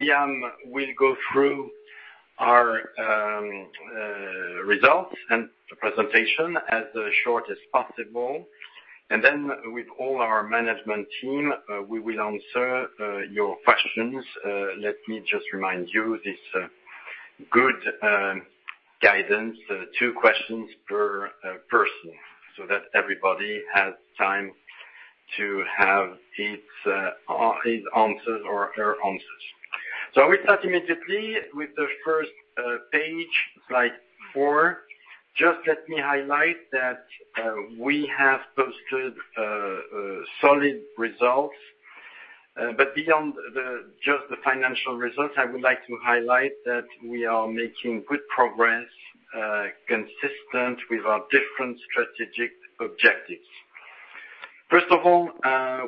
William will go through our results and the presentation as short as possible. Then with all our management team, we will answer your questions. Let me just remind you this good guidance, two questions per person, so that everybody has time to have his answers or her answers. I will start immediately with the first page, slide four. Just let me highlight that we have posted solid results. Beyond just the financial results, I would like to highlight that we are making good progress, consistent with our different strategic objectives. First of all,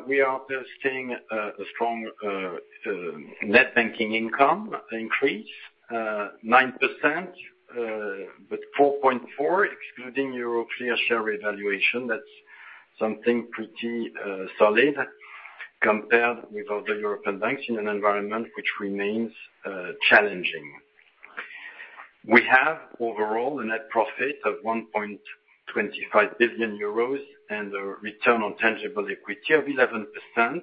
we are posting a strong net banking income increase, 9%, 4.4% excluding European share valuation. That's something pretty solid compared with other European banks in an environment which remains challenging. We have overall a net profit of 1.25 billion euros and a return on tangible equity of 11%,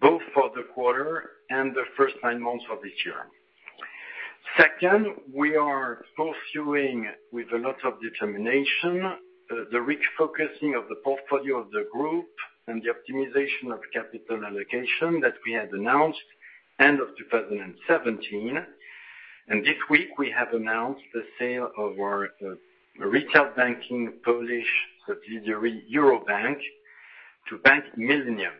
both for the quarter and the first nine months of this year. Second, we are pursuing with a lot of determination, the refocusing of the portfolio of the group and the optimization of capital allocation that we had announced end of 2017. This week we have announced the sale of our retail banking Polish subsidiary Euro Bank to Bank Millennium.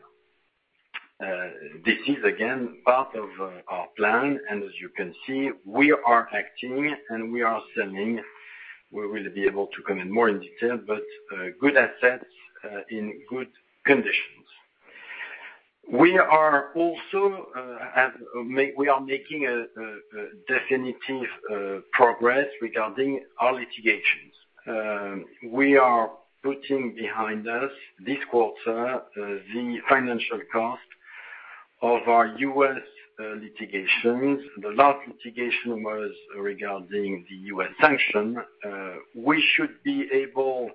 This is again part of our plan. As you can see, we are acting and we are selling. We will be able to comment more in detail, good assets in good conditions. We are making a definitive progress regarding our litigations. We are putting behind us this quarter the financial cost of our U.S. litigations. The last litigation was regarding the U.S. sanction. We should be able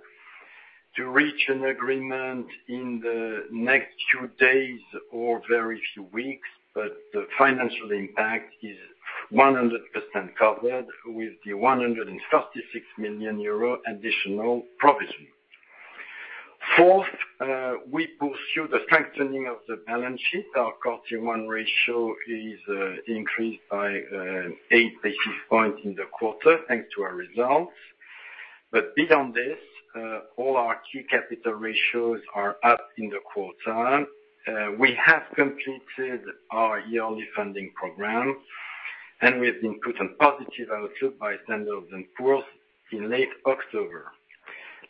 to reach an agreement in the next few days or very few weeks. The financial impact is 100% covered with the 136 million euro additional provision. Fourth, we pursue the strengthening of the balance sheet. Our Q1 ratio is increased by eight basis points in the quarter, thanks to our results. Beyond this, all our key capital ratios are up in the quarter. We have completed our yearly funding program. We have been put on positive outlook by Standard & Poor's in late October.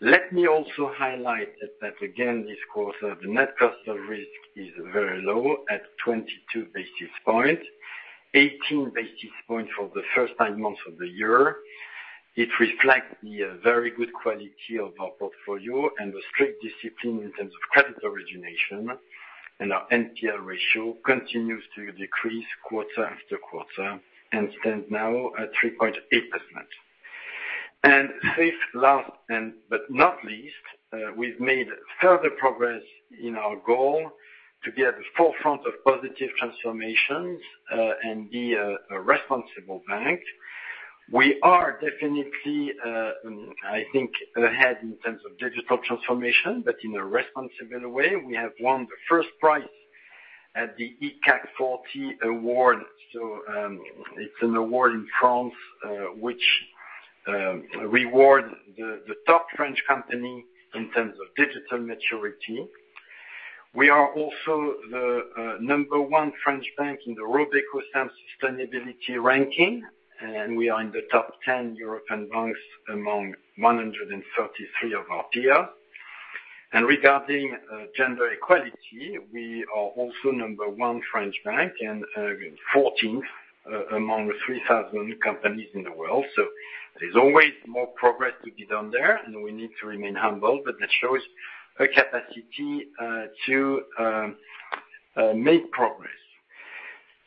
Let me also highlight that again this quarter, the net cost of risk is very low at 22 basis points, 18 basis points for the first nine months of the year. It reflects the very good quality of our portfolio and the strict discipline in terms of credit origination. Our NPL ratio continues to decrease quarter after quarter and stands now at 3.8%. Fifth, last but not least, we've made further progress in our goal to be at the forefront of positive transformations and be a responsible bank. We are definitely, I think, ahead in terms of digital transformation, in a responsible way. We have won the first prize at the eCAC40 Award. It's an award in France, which reward the top French company in terms of digital maturity. We are also the number one French bank in the RobecoSAM Sustainability Ranking. We are in the top 10 European banks among 133 of our peers. Regarding gender equality, we are also number one French bank and 14th among 3,000 companies in the world. There's always more progress to be done there, and we need to remain humble, but that shows a capacity to make progress.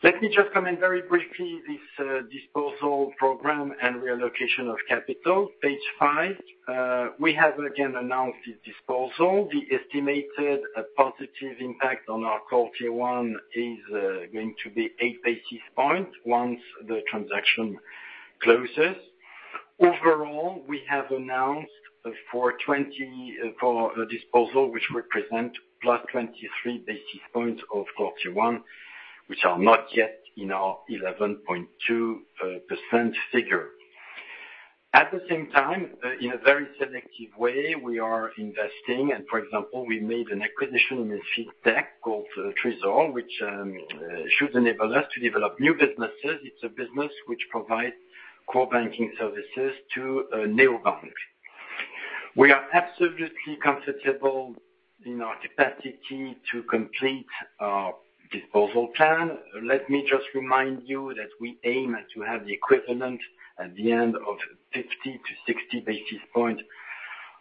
Let me just comment very briefly this disposal program and reallocation of capital, page five. We have again announced this disposal. The estimated positive impact on our quarter one is going to be eight basis points once the transaction closes. Overall, we have announced for disposal, which represent +23 basis points of quarter one, which are not yet in our 11.2% figure. At the same time, in a very selective way, we are investing, and for example, we made an acquisition in a fintech called Treezor, which should enable us to develop new businesses. It's a business which provides core banking services to neobank. We are absolutely comfortable in our capacity to complete our disposal plan. Let me just remind you that we aim to have the equivalent at the end of 50 to 60 basis points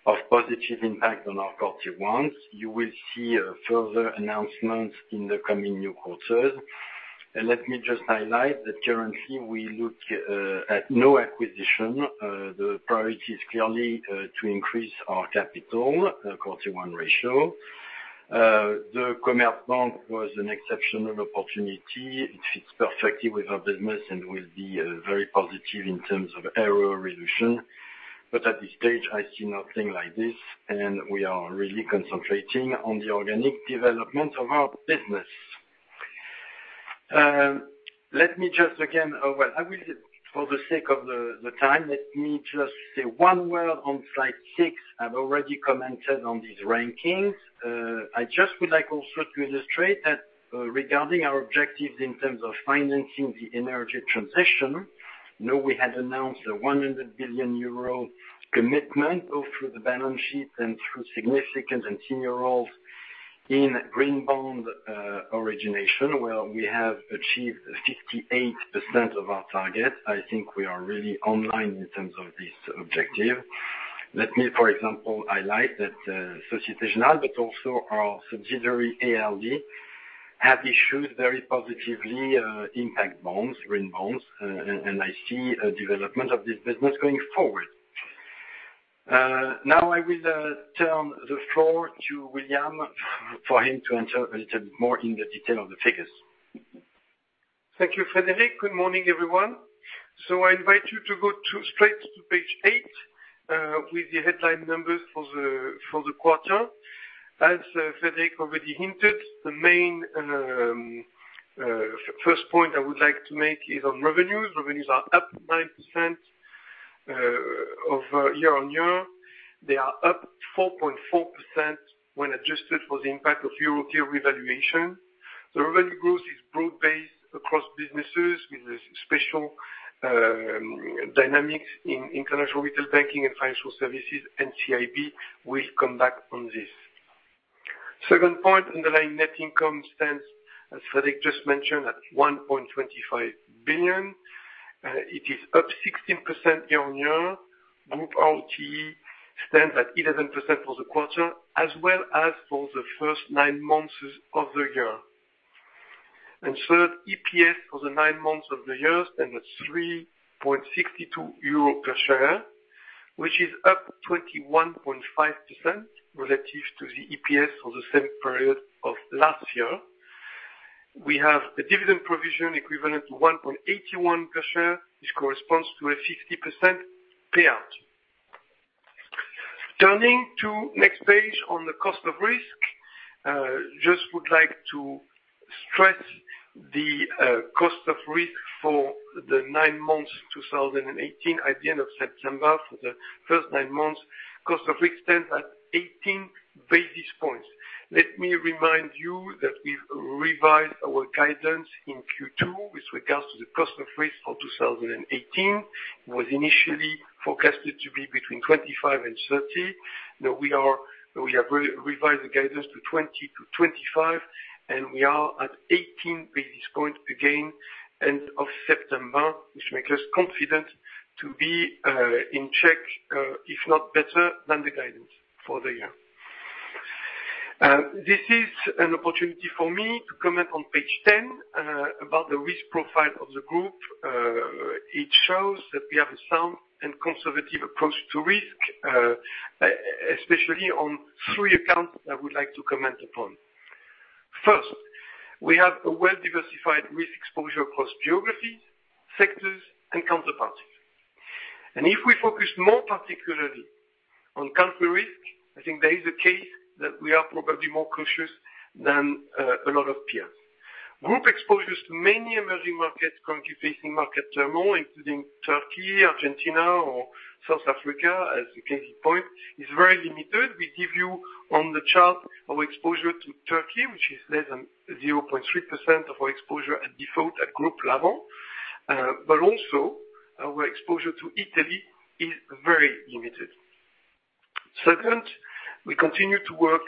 of positive impact on our Core Tier one. You will see further announcements in the coming new quarters. Let me just highlight that currently we look at no acquisition. The priority is clearly to increase our capital Core Tier one ratio. The Commerzbank was an exceptional opportunity. It fits perfectly with our business and will be very positive in terms of error reduction. At this stage, I see nothing like this, and we are really concentrating on the organic development of our business. For the sake of the time, let me just say one word on slide six. I've already commented on these rankings. I just would like also to illustrate that regarding our objectives in terms of financing the energy transition, we had announced a 100 billion euro commitment through the balance sheet and through significant and tenured roles in green bond origination, where we have achieved 68% of our target. I think we are really on line in terms of this objective. Let me, for example, highlight that Société Générale, but also our subsidiary ALD, have issued very positive impact bonds, green bonds, and I see a development of this business going forward. I will turn the floor to William for him to enter a little bit more into the detail of the figures. Thank you, Frédéric. Good morning, everyone. I invite you to go straight to page eight with the headline numbers for the quarter. As Frédéric already hinted, the main first point I would like to make is on revenues. Revenues are up 9% year-on-year. They are up 4.4% when adjusted for the impact of euro revaluation. The revenue growth is broad-based across businesses with special dynamics in international retail banking and financial services and CIB. We'll come back on this. Second point, underlying net income stands, as Frédéric just mentioned, at 1.25 billion. It is up 16% year-on-year. Group ROTE stands at 11% for the quarter as well as for the first nine months of the year. Third, EPS for the nine months of the year stands at 3.62 euro per share, which is up 21.5% relative to the EPS for the same period of last year. We have a dividend provision equivalent to 1.81 per share, which corresponds to a 60% payout. Turning to next page on the cost of risk. Just would like to stress the cost of risk for the nine months 2018 at the end of September for the first nine months, cost of risk stands at 18 basis points. Let me remind you that we've revised our guidance in Q2 with regards to the cost of risk for 2018. It was initially forecasted to be between 25 and 30. We have revised the guidance to 20-25, and we are at 18 basis points again end of September, which makes us confident to be in check, if not better than the guidance for the year. This is an opportunity for me to comment on page 10 about the risk profile of the group. It shows that we have a sound and conservative approach to risk, especially on three accounts that I would like to comment upon. First, we have a well-diversified risk exposure across geographies, sectors, and counterparties. If we focus more particularly on country risk, I think there is a case that we are probably more cautious than a lot of peers. Group exposures to many emerging markets, country facing Market Turmoil, including Turkey, Argentina, or South Africa, as the case in point, is very limited. We give you on the chart our exposure to Turkey, which is less than 0.3% of our exposure at default at group level. Also our exposure to Italy is very limited. Second, we continue to work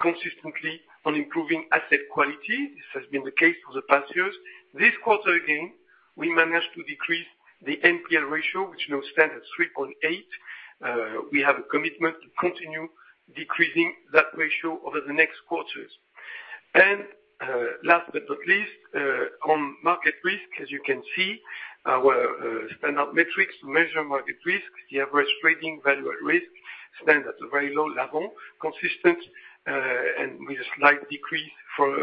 consistently on improving asset quality. This has been the case for the past years. This quarter again, we managed to decrease the NPL ratio, which now stands at 3.8. We have a commitment to continue decreasing that ratio over the next quarters. Last but not least, on market risk, as you can see, our S&P metrics measure market risk, the average trading value at risk stands at a very low level, consistent and with a slight decrease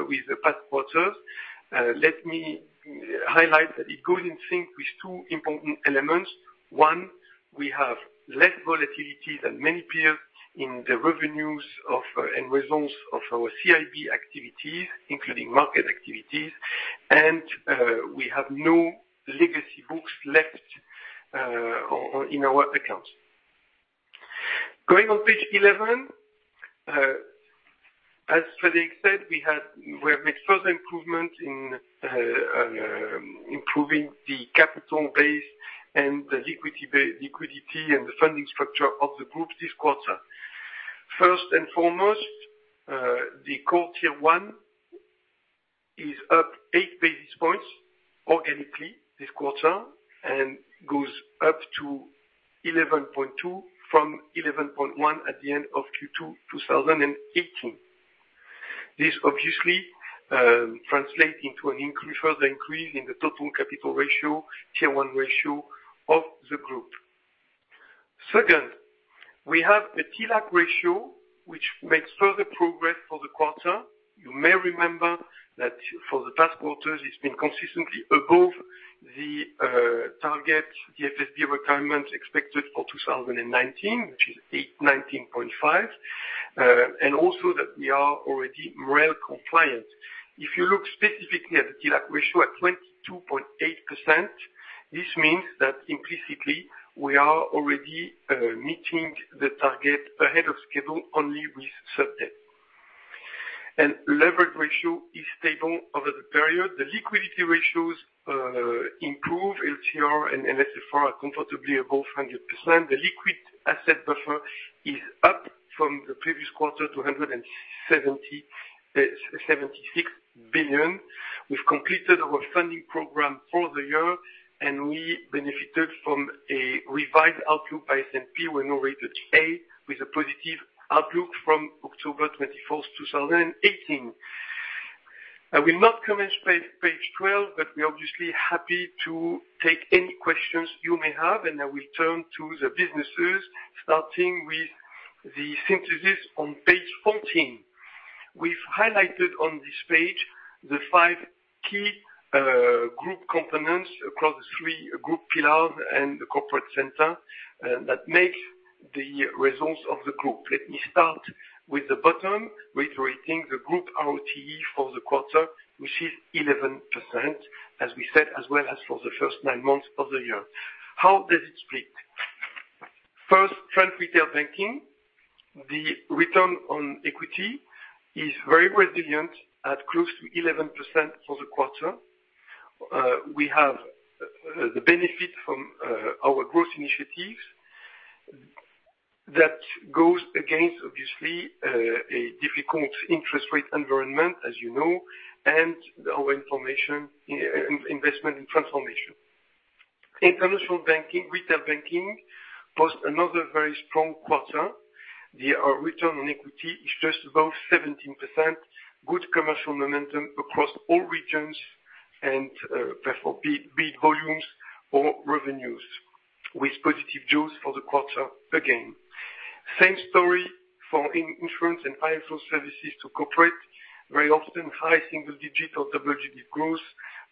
with the past quarters. Let me highlight that it goes in sync with two important elements. One, we have less volatility than many peers in the revenues and results of our CIB activities, including market activities, and we have no legacy books left in our accounts. Going on page 11, as Frédéric said, we have made further improvements in improving the capital base and the liquidity and the funding structure of the group this quarter. First and foremost, the Core Tier one is up eight basis points organically this quarter, and goes up to 11.2 from 11.1 at the end of Q2 2018. This obviously translates into a further increase in the total capital ratio, Tier one ratio of the group. Second, we have a TLAC ratio which makes further progress for the quarter. You may remember that for the past quarters, it's been consistently above the target, the FSB requirement expected for 2019, which is 819.5, and also that we are already MREL compliant. If you look specifically at the TLAC ratio at 22.8%, this means that implicitly, we are already meeting the target ahead of schedule only with sub-debt. Leverage ratio is stable over the period. The liquidity ratios improve, LCR and NSFR are comfortably above 100%. The liquid asset buffer is up from the previous quarter to 176 billion. We've completed our funding program for the year, and we benefited from a revised outlook by S&P. We're now rated A with a positive outlook from October 24th, 2018. I will not comment page 12, but we're obviously happy to take any questions you may have, and I will turn to the businesses, starting with the synthesis on page 14. We've highlighted on this page the five key group components across the three group pillars and the corporate center that make the results of the group. Let me start with the bottom, reiterating the group ROTE for the quarter, which is 11%, as we said, as well as for the first nine months of the year. How does it split? First, French Retail Banking, the return on equity is very resilient at close to 11% for the quarter. We have the benefit from our growth initiatives. That goes against, obviously, a difficult interest rate environment, as you know, and our investment in transformation. International Retail Banking was another very strong quarter. The return on equity is just about 17%, good commercial momentum across all regions and therefore big volumes or revenues with positive jaws for the quarter again. Same story for Insurance and Financial Services to Corporate, very often high single-digit or double-digit growth.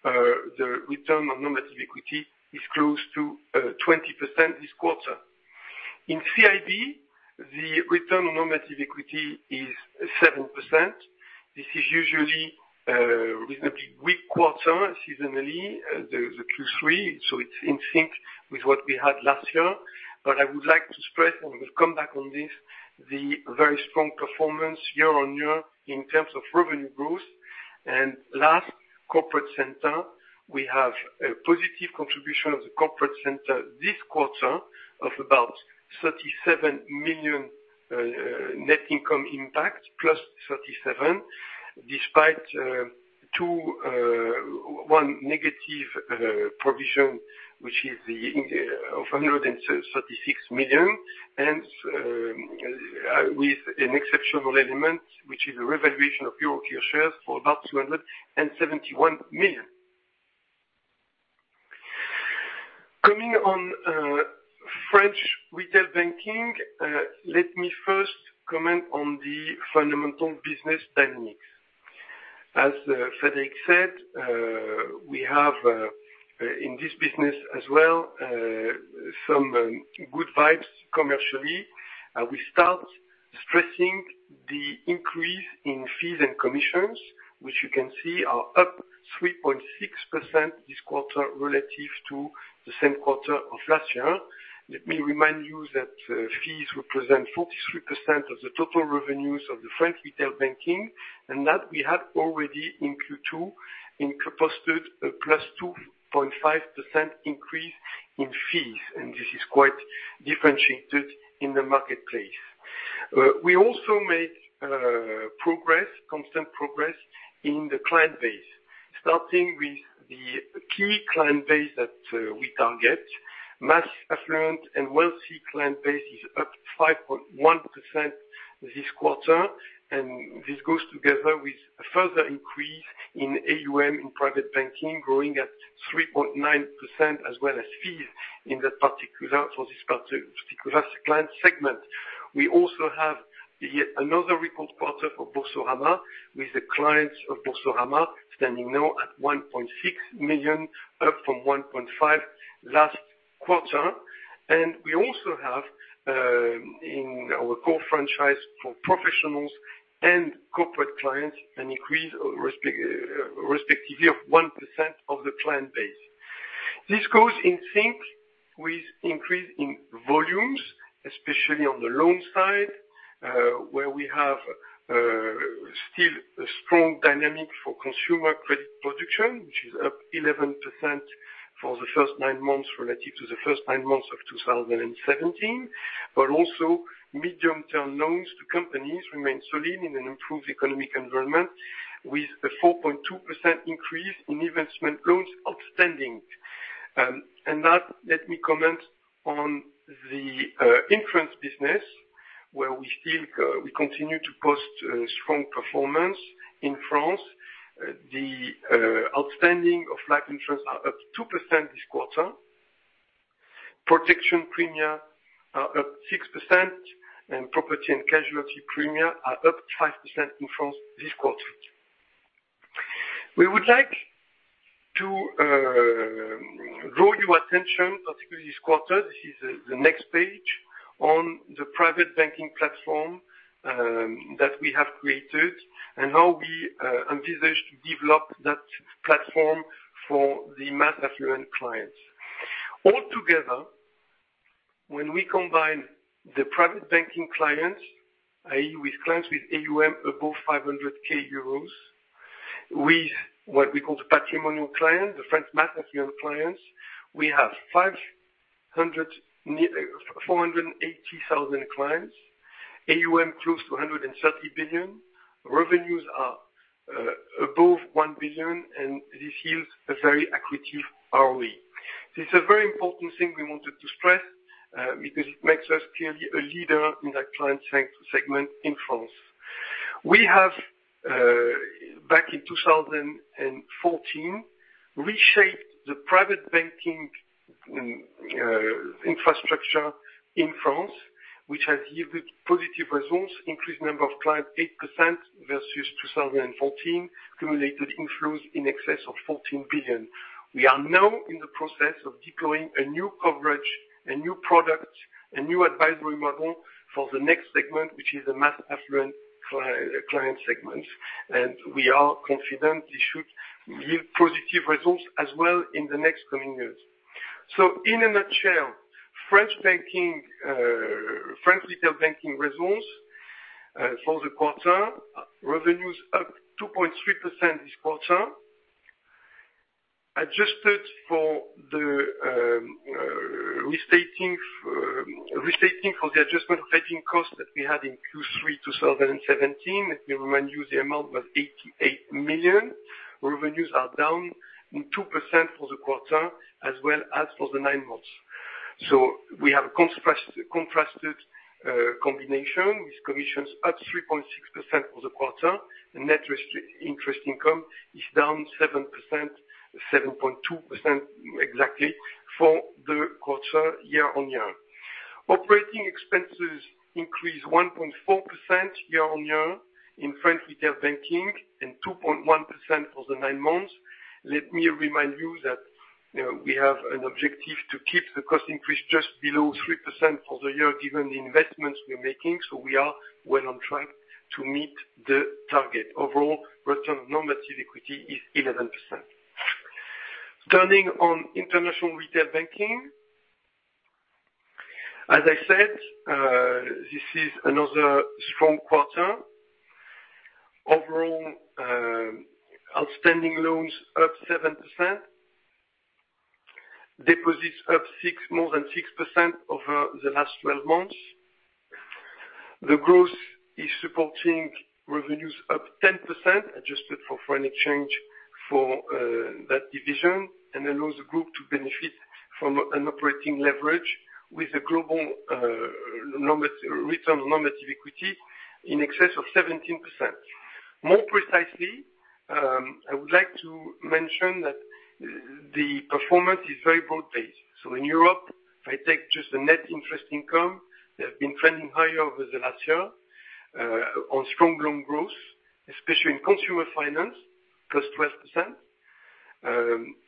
The return on normative equity is close to 20% this quarter. In CIB, the return on normative equity is 7%. This is usually a reasonably weak quarter seasonally, the Q3, so it's in sync with what we had last year. I would like to stress, and we'll come back on this, the very strong performance year-on-year in terms of revenue growth. Last, Corporate Center, we have a positive contribution of the Corporate Center this quarter of about 37 million net income impact, +37, despite one negative provision, which is of 136 million, and with an exceptional element, which is a revaluation of Euroclear shares for about 271 million. Coming on French Retail Banking, let me first comment on the fundamental business dynamics. As Frédéric said, we have, in this business as well, some good vibes commercially. We start stressing the increase in fees and commissions, which you can see are up 3.6% this quarter relative to the same quarter of last year. Let me remind you that fees represent 43% of the total revenues of the French Retail Banking, and that we have already in Q2 posted a +2.5% increase in fees, and this is quite differentiated in the marketplace. We also made constant progress in the client base, starting with the key client base that we target. Mass affluent and wealthy client base is up 5.1% this quarter, and this goes together with a further increase in AUM in private banking, growing at 3.9%, as well as fees for this particular client segment. We also have another record quarter for Boursorama, with the clients of Boursorama standing now at 1.6 million, up from 1.5 million last quarter. We also have in our core franchise for professionals and corporate clients, an increase respectively of 1% of the client base. This goes in sync with increase in volumes, especially on the loan side, where we have still a strong dynamic for consumer credit production, which is up 11%. For the first nine months relative to the first nine months of 2017. Medium-term loans to companies remain solid in an improved economic environment, with a 4.2% increase in investment loans outstanding. Let me comment on the insurance business, where we continue to post strong performance in France. The outstanding of life insurance are up 2% this quarter. Protection premium are up 6%, and property and casualty premium are up 5% in France this quarter. We would like to draw your attention, particularly this quarter, this is the next page, on the private banking platform that we have created and how we envisage to develop that platform for the mass affluent clients. Altogether, when we combine the private banking clients, i.e., with clients with AUM above 500k euros, with what we call the patrimonial clients, the French mass affluent clients, we have 480,000 clients, AUM close to 130 billion. Revenues are above 1 billion, and this yields a very accretive ROE. This is a very important thing we wanted to stress, because it makes us clearly a leader in that client segment in France. We have, back in 2014, reshaped the private banking infrastructure in France, which has yielded positive results, increased number of clients 8% versus 2014, accumulated inflows in excess of 14 billion. We are now in the process of deploying a new coverage, a new product, a new advisory model for the next segment, which is the mass affluent client segment. We are confident this should yield positive results as well in the next coming years. In a nutshell, French retail banking results for the quarter, revenues up 2.3% this quarter. Adjusted for the restating for the adjustment of hedging costs that we had in Q3 2017. Let me remind you, the amount was 88 million. Revenues are down 2% for the quarter, as well as for the nine months. We have contrasted combination with commissions up 3.6% for the quarter. The net interest income is down 7%, 7.2% exactly for the quarter year-on-year. Operating expenses increased 1.4% year-on-year in French retail banking and 2.1% for the nine months. Let me remind you that, we have an objective to keep the cost increase just below 3% for the year, given the investments we're making. We are well on track to meet the target. Overall, return on normative equity is 11%. Turning on international retail banking. As I said, this is another strong quarter. Overall, outstanding loans up 7%, deposits up more than 6% over the last 12 months. The growth is supporting revenues up 10%, adjusted for foreign exchange for that division, and allows the group to benefit from an operating leverage with a global return on normative equity in excess of 17%. More precisely, I would like to mention that the performance is very broad-based. In Europe, if I take just the net interest income, they have been trending higher over the last year, on strong loan growth, especially in consumer finance, +12%.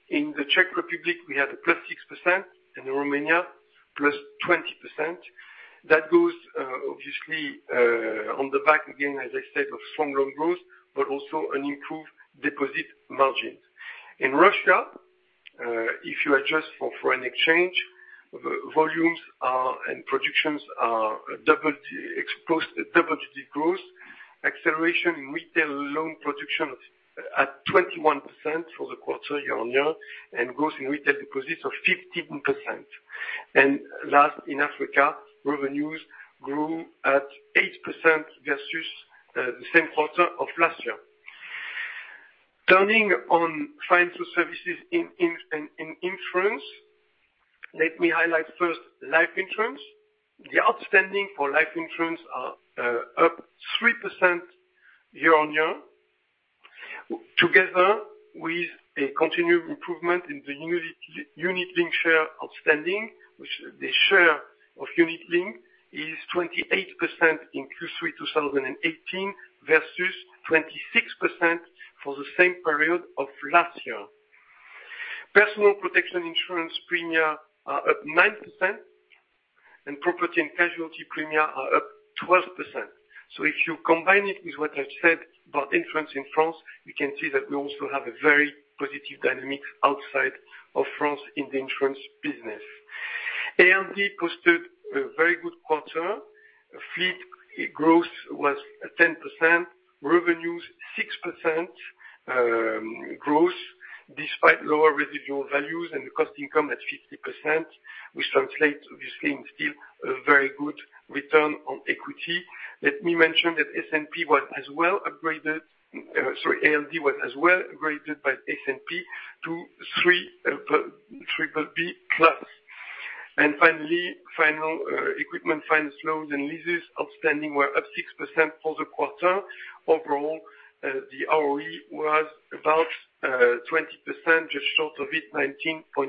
In the Czech Republic, we had a +6%, in Romania +20%. That goes obviously, on the back again, as I said, of strong loan growth, but also an improved deposit margins. In Russia, if you adjust for foreign exchange, volumes are, and productions are double-digit growth, acceleration in retail loan production at 21% for the quarter year-on-year, and growth in retail deposits of 15%. Last in Africa, revenues grew at 8% versus the same quarter of last year. Turning on financial services in insurance, let me highlight first life insurance. The outstanding for life insurance are up 3% year-on-year, together with a continued improvement in the unit-link share outstanding, which the share of unit-link is 28% in Q3 2018 versus 26% for the same period of last year. Personal protection insurance premiums are up 9%, and property and casualty premiums are up 12%. If you combine it with what I've said about insurance in France, you can see that we also have a very positive dynamic outside of France in the insurance business. ALD posted a very good quarter. Fleet growth was at 10%, revenues 6% growth, despite lower residual values, and the cost-income at 50%, which translates, obviously, in still a very good return on equity. Let me mention that S&P was as well upgraded. Sorry. ALD was as well graded by S&P to BBB+. Finally, equipment finance loans and leases outstanding were up 6% for the quarter. Overall, the ROE was about 20%, just short of it, 19.6%.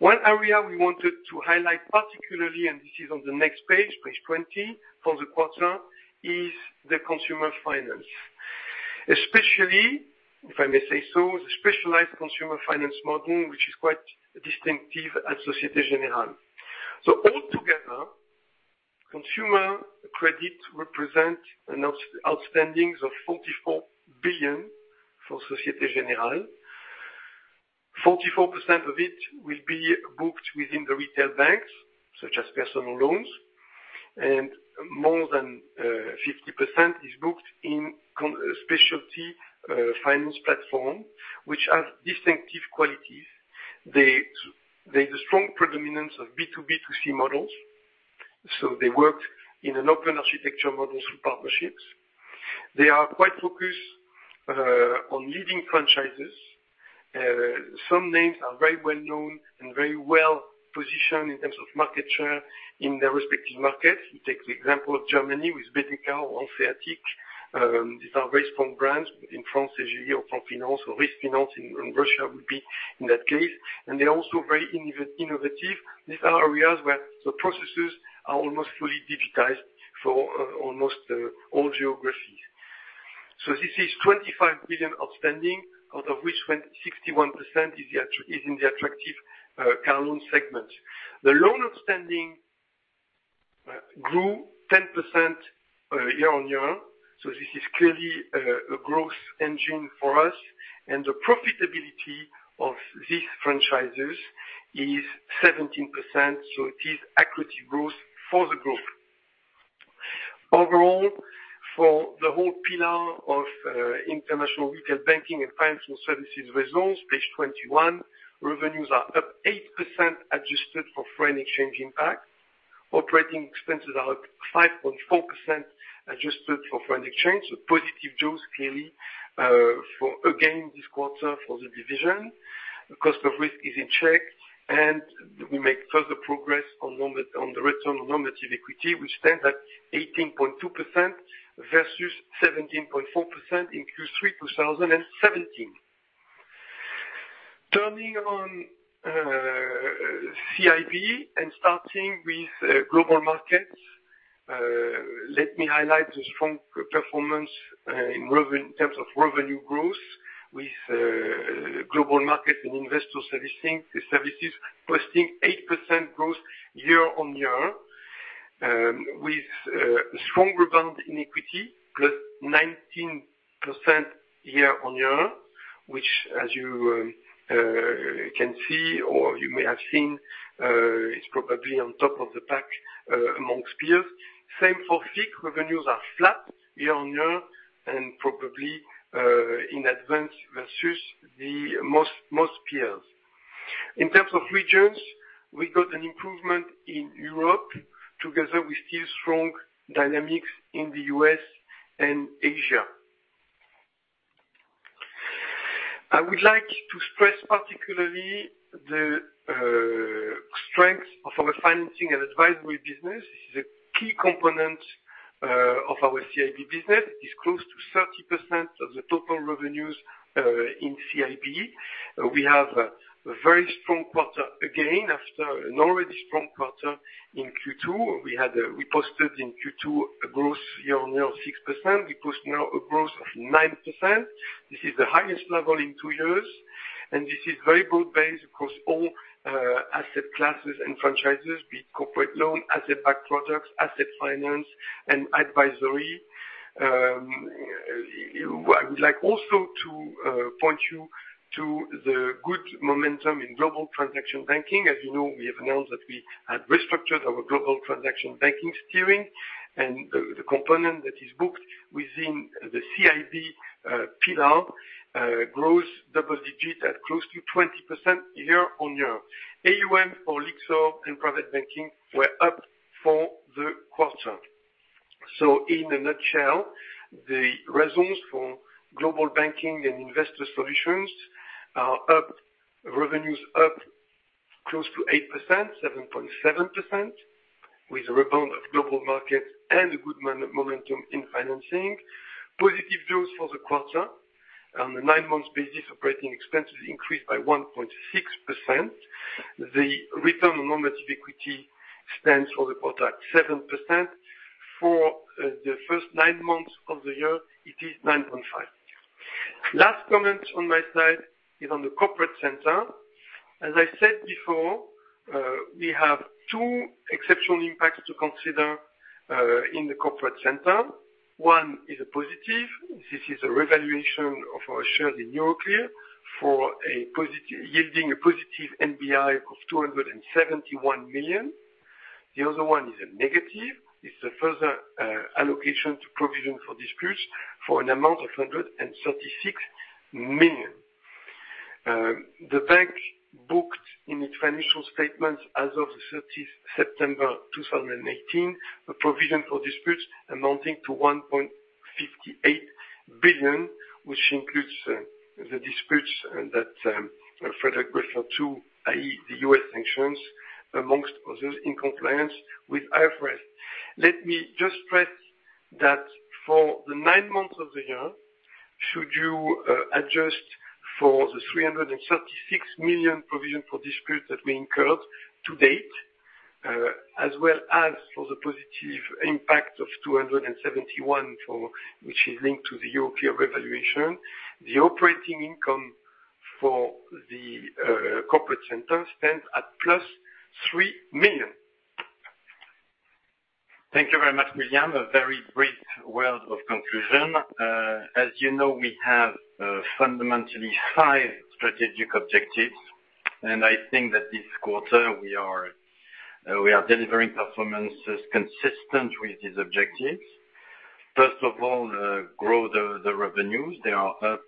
One area we wanted to highlight particularly, and this is on the next page 20, for the quarter, is the consumer finance. Especially, if I may say so, the specialized consumer finance model, which is quite distinctive at Société Générale. Altogether, consumer credit represents outstandings of 44 billion for Société Générale. 44% of it will be booked within the retail banks, such as personal loans, and more than 50% is booked in specialty finance platform, which has distinctive qualities. They have a strong predominance of B2B2C models, so they work in open architecture models through partnerships. They are quite focused on leading franchises. Some names are very well-known and very well-positioned in terms of market share in their respective markets. You take the example of Germany with Medika or Hanseatic. These are very strong brands. In France, Cetelem or Rusfinance in Russia would be in that case, and they're also very innovative. These are areas where the processes are almost fully digitized for almost all geographies. This is 25 billion outstanding, out of which 61% is in the attractive car loan segment. The loan outstanding grew 10% year-on-year, this is clearly a growth engine for us, and the profitability of these franchises is 17%, so it is accretive growth for the group. Overall, for the whole pillar of international retail banking and financial services results, page 21, revenues are up 8%, adjusted for foreign exchange impact. Operating expenses are up 5.4%, adjusted for foreign exchange. Positive jaws, clearly, again this quarter for the division. Cost of risk is in check, and we make further progress on the return on normative equity, which stands at 18.2% versus 17.4% in Q3 2017. Turning on CIB and starting with Global Markets, let me highlight the strong performance in terms of revenue growth with Global Market and Investor Services posting 8% growth year-on-year, with a strong rebound in equity, +19% year-on-year, which, as you can see or you may have seen, is probably on top of the pack amongst peers. Same for FIC, revenues are flat year-on-year and probably in advance versus the most peers. In terms of regions, we got an improvement in Europe together with still strong dynamics in the U.S. and Asia. I would like to stress particularly the strength of our financing and advisory business. This is a key component of our CIB business. It is close to 30% of the total revenues in CIB. We have a very strong quarter again, after an already strong quarter in Q2. We posted in Q2 a growth year-on-year of 6%. We post now a growth of 9%. This is the highest level in two years, and this is very broad-based across all asset classes and franchises, be it corporate loan, asset-backed products, asset finance, and advisory. I would like also to point you to the good momentum in Global Transaction Banking. As you know, we have announced that we had restructured our Global Transaction Banking steering, and the component that is booked within the CIB pillar grows double digits at close to 20% year-on-year. AUM for Lyxor and private banking were up for the quarter. So in a nutshell, the results for Global Banking and Investor Solutions are up, revenues up close to 8%, 7.7%, with a rebound of Global Market and a good momentum in financing. Positive dose for the quarter. On a nine-month basis, operating expenses increased by 1.6%. The return on normative equity stands for the quarter at 7%. For the first nine months of the year, it is 9.5%. Last comment on my side is on the corporate center. As I said before, we have two exceptional impacts to consider in the corporate center. One is a positive. This is a revaluation of our shares in Euroclear, yielding a positive NBI of 271 million. The other one is a negative. It's a further allocation to provision for disputes for an amount of 136 million. The bank booked in its financial statements as of the 30th September 2018, a provision for disputes amounting to 1.58 billion, which includes the disputes that Frédéric referred to, i.e., the U.S. sanctions, amongst others, in compliance with IFRS. Let me just stress that for the nine months of the year, should you adjust for the 336 million provision for disputes that we incurred to date, as well as for the positive impact of 271, which is linked to the European revaluation, the operating income for the corporate center stands at +3 million. Thank you very much, William. A very brief word of conclusion. As you know, we have fundamentally five strategic objectives. I think that this quarter, we are delivering performances consistent with these objectives. First of all, grow the revenues. They are up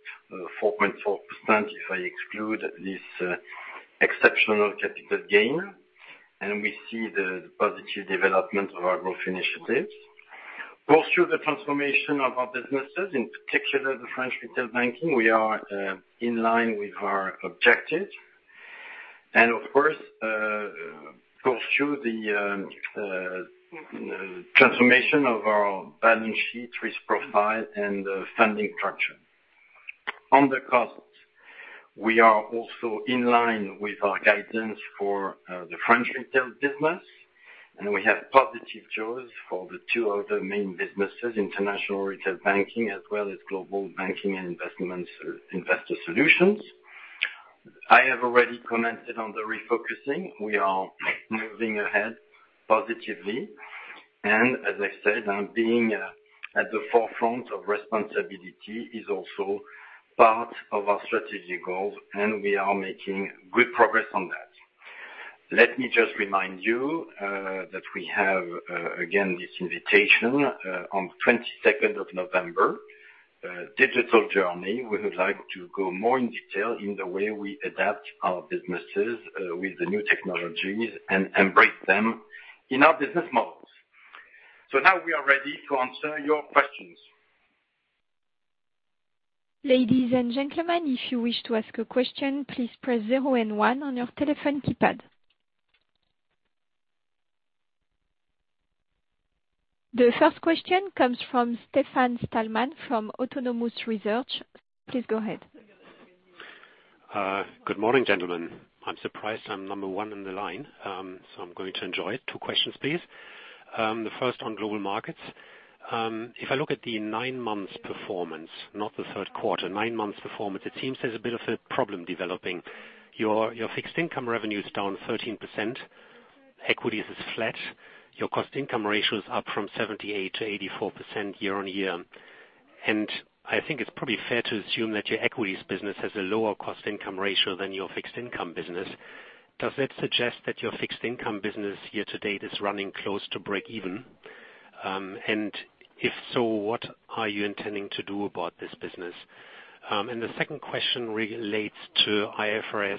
4.4% if I exclude this exceptional capital gain. We see the positive development of our growth initiatives. Pursue the transformation of our businesses, in particular the French retail banking. We are in line with our objective. Of course, pursue the transformation of our balance sheet risk profile and the funding structure. On the costs, we are also in line with our guidance for the French retail business, and we have positive growth for the two other main businesses, international retail banking, as well as Global Banking and Investor Solutions. I have already commented on the refocusing. We are moving ahead positively. As I said, being at the forefront of responsibility is also part of our strategic goals, and we are making good progress on that. Let me just remind you that we have, again, this invitation on 22nd of November, digital journey. We would like to go more in detail in the way we adapt our businesses with the new technologies and embrace them in our business models. Now we are ready to answer your questions. Ladies and gentlemen, if you wish to ask a question, please press zero and one on your telephone keypad. The first question comes from Stefan Stallman from Autonomous Research. Please go ahead. Good morning, gentlemen. I'm surprised I'm number one in the line, I'm going to enjoy it. Two questions, please. The first on global markets. If I look at the nine months performance, not the third quarter, nine months performance, it seems there's a bit of a problem developing. Your fixed income revenue is down 13%, equities is flat. Your cost income ratio is up from 78% to 84% year-on-year. I think it's probably fair to assume that your equities business has a lower cost income ratio than your fixed income business. Does that suggest that your fixed income business year to date is running close to break even? If so, what are you intending to do about this business? The second question relates to IFRS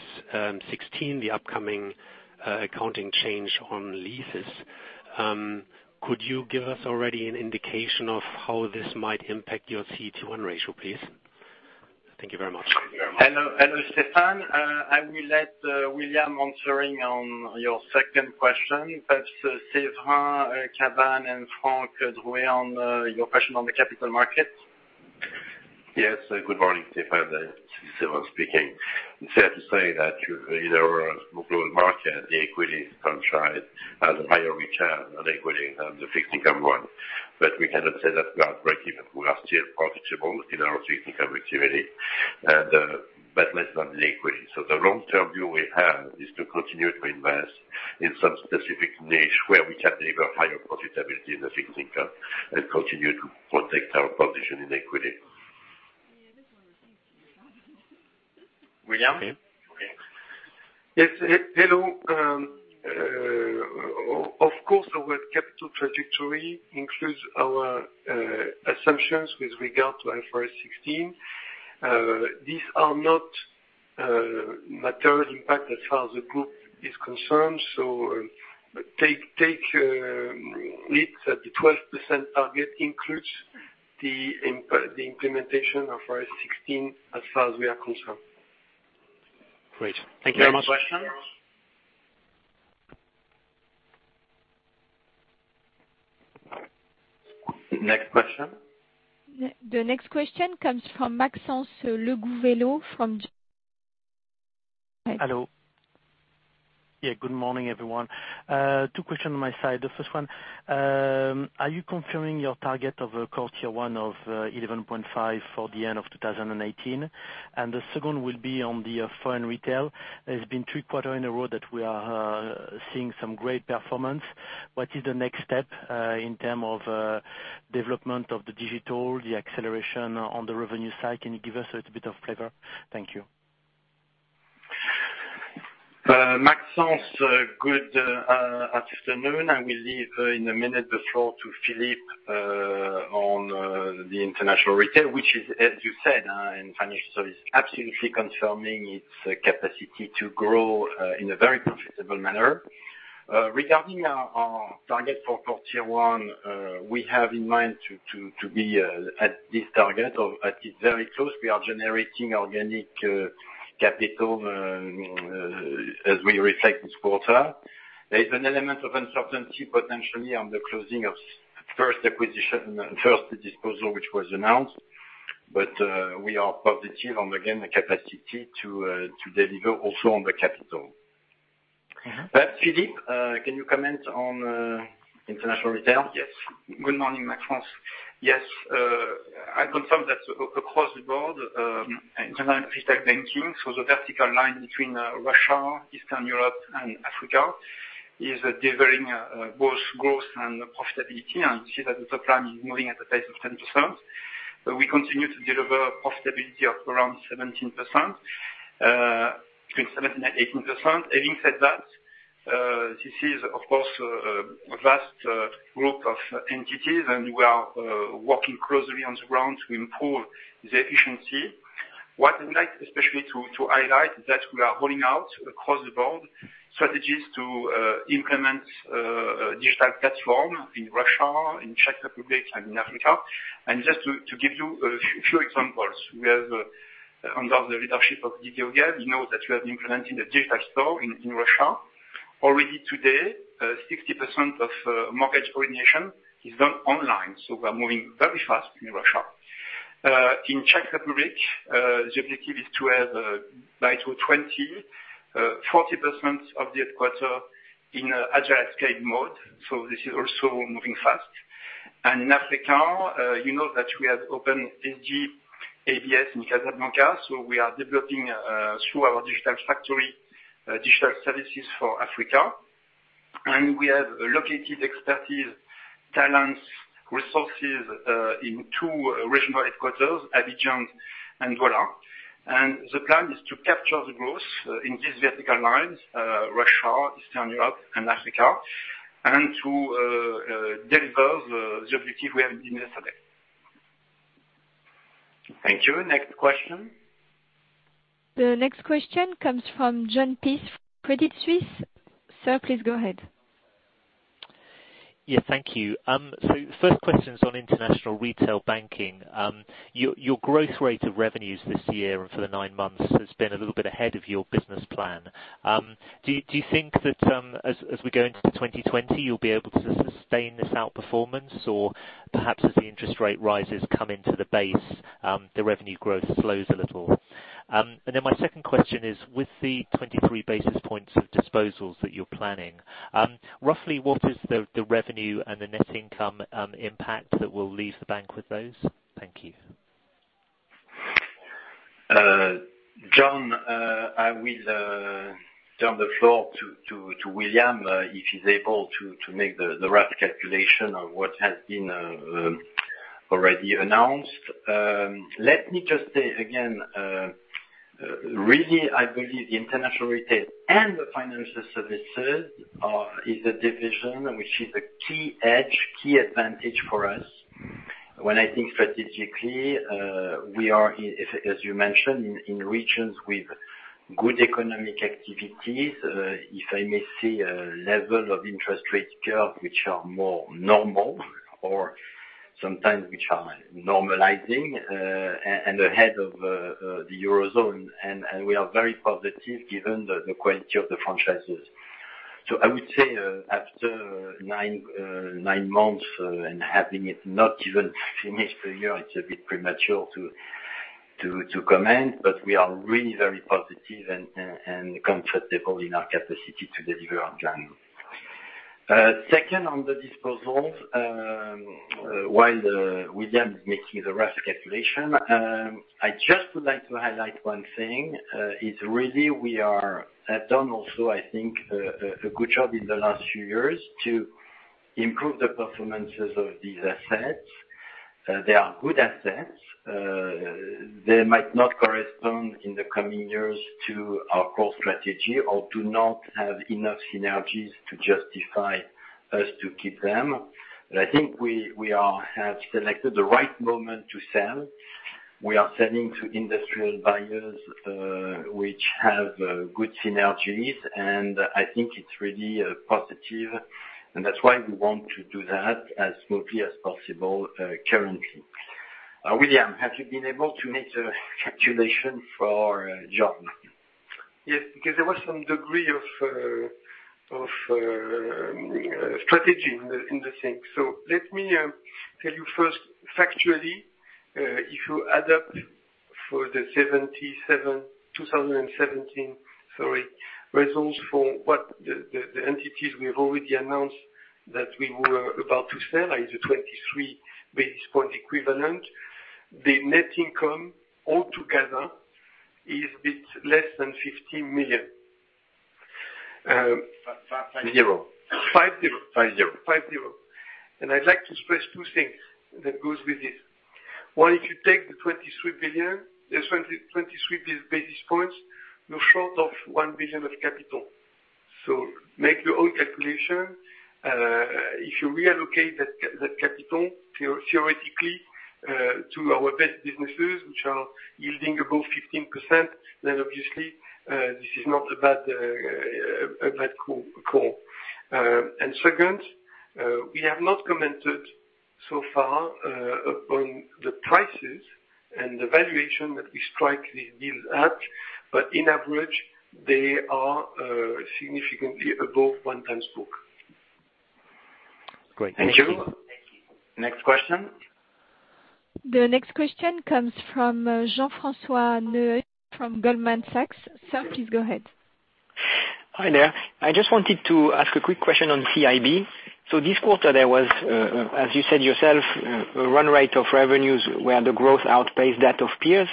16, the upcoming accounting change on leases. Could you give us already an indication of how this might impact your CET1 ratio, please? Thank you very much. Hello, Stefan. I will let William answering on your second question. Perhaps Séverin and Frank on your question on the capital markets. Yes. Good morning, Stefan. This is Séverin speaking. It is fair to say that in our global market, the equities franchise has a higher return on equity than the fixed income one. We cannot say that we are breaking even. We are still profitable in our fixed income activity, but less than in equity. The long-term view we have is to continue to invest in some specific niche where we can deliver higher profitability in the fixed income and continue to protect our position in equity. William? Yes. Hello. Of course, our capital trajectory includes our assumptions with regard to IFRS 16. These are not material impact as far as the group is concerned. Take it that the 12% target includes the implementation of IFRS 16 as far as we are concerned. Great. Thank you very much. Next question. Next question. The next question comes from Maxence Le Gouvello. Hello. Good morning, everyone. Two questions on my side. The first one, are you confirming your target of a Core Tier one of 11.5 for the end of 2018? The second will be on the foreign retail. It's been three quarters in a row that we are seeing some great performance. What is the next step, in term of development of the digital, the acceleration on the revenue side? Can you give us a little bit of flavor? Thank you. Maxence, good afternoon. I will leave in a minute the floor to Philippe on the international retail, which is, as you said, in financial services, absolutely confirming its capacity to grow in a very profitable manner. Regarding our target for Tier one, we have in mind to be at this target or at it very close. We are generating organic capital as we reflect this quarter. There is an element of uncertainty potentially on the closing of first acquisition, first disposal, which was announced, but we are positive on, again, the capacity to deliver also on the capital. Philippe, can you comment on international retail? Yes. Good morning, Maxence. Yes, I confirm that across the board, international private banking, so the vertical line between Russia, Eastern Europe, and Africa, is delivering both growth and profitability. You see that the top line is moving at a pace of 10%, but we continue to deliver profitability of around 17%, between 17%-18%. Having said that, this is, of course, a vast group of entities, and we are working closely on the ground to improve the efficiency. What I'd like especially to highlight is that we are rolling out across the board strategies to implement a digital platform in Russia, in Czech Republic, and in Africa. Just to give you a few examples, under the leadership of Didier Valet, you know that we have implemented a digital store in Russia. Already today, 60% of mortgage origination is done online. We are moving very fast in Russia. In Czech Republic, the objective is to have by 2020, 40% of the headquarter in Agile at Scale mode. This is also moving fast. In Africa, you know that we have opened SG ABS in Casablanca. We are developing through our digital factory, digital services for Africa. We have located expertise, talents, resources, in two regional headquarters, Abidjan and Douala. The plan is to capture the growth in these vertical lines, Russia, Eastern Europe, and Africa, and to deliver the objective we have in the strategy. Thank you. Next question. The next question comes from Jon Peace, Credit Suisse. Sir, please go ahead. Yeah, thank you. The first question is on international retail banking. Your growth rate of revenues this year and for the nine months has been a little bit ahead of your business plan. Do you think that as we go into 2020, you'll be able to sustain this outperformance? Or perhaps as the interest rate rises come into the base, the revenue growth slows a little. My second question is, with the 23 basis points of disposals that you're planning, roughly what is the revenue and the net income impact that will leave the bank with those? Thank you. Jon, I will turn the floor to William, if he's able to make the rough calculation on what has been already announced. Let me just say again, really, I believe the international retail and the financial services is a division which is a key edge, key advantage for us. When I think strategically, we are, as you mentioned, in regions with good economic activities. If I may say, a level of interest rate curve, which are more normal or sometimes which are normalizing, and ahead of the Eurozone. We are very positive given the quality of the franchises. I would say after nine months and having it not even finished the year, it's a bit premature to comment, but we are really very positive and comfortable in our capacity to deliver on plan. Second, on the disposals, while William is making the rough calculation, I just would like to highlight one thing, is really we have done also, I think, a good job in the last few years to improve the performances of these assets. They are good assets. They might not correspond in the coming years to our core strategy or do not have enough synergies to justify us to keep them. I think we have selected the right moment to sell. We are selling to industrial buyers, which have good synergies, and I think it's really positive. That's why we want to do that as smoothly as possible currently. William, have you been able to make the calculation for Jon? Yes, because there was some degree of strategy in the thing. Let me tell you first factually If you add up for the 2017, results for what the entities we have already announced that we were about to sell is a 23 basis points equivalent. The net income altogether is a bit less than 50 million. 50. 50. 50. I'd like to stress two things that goes with this. One, if you take the 23 basis points, you're short of 1 billion of capital. Make your own calculation. If you reallocate that capital, theoretically, to our best businesses, which are yielding above 15%, obviously this is not a bad call. Second, we have not commented so far upon the prices and the valuation that we strike these deals at, but on average, they are significantly above one times book. Great. Thank you. Thank you. Next question. The next question comes from Jean-Francois Neuez from Goldman Sachs. Sir, please go ahead. Hi there. I just wanted to ask a quick question on CIB. This quarter there was, as you said yourself, a run rate of revenues where the growth outpaced that of peers.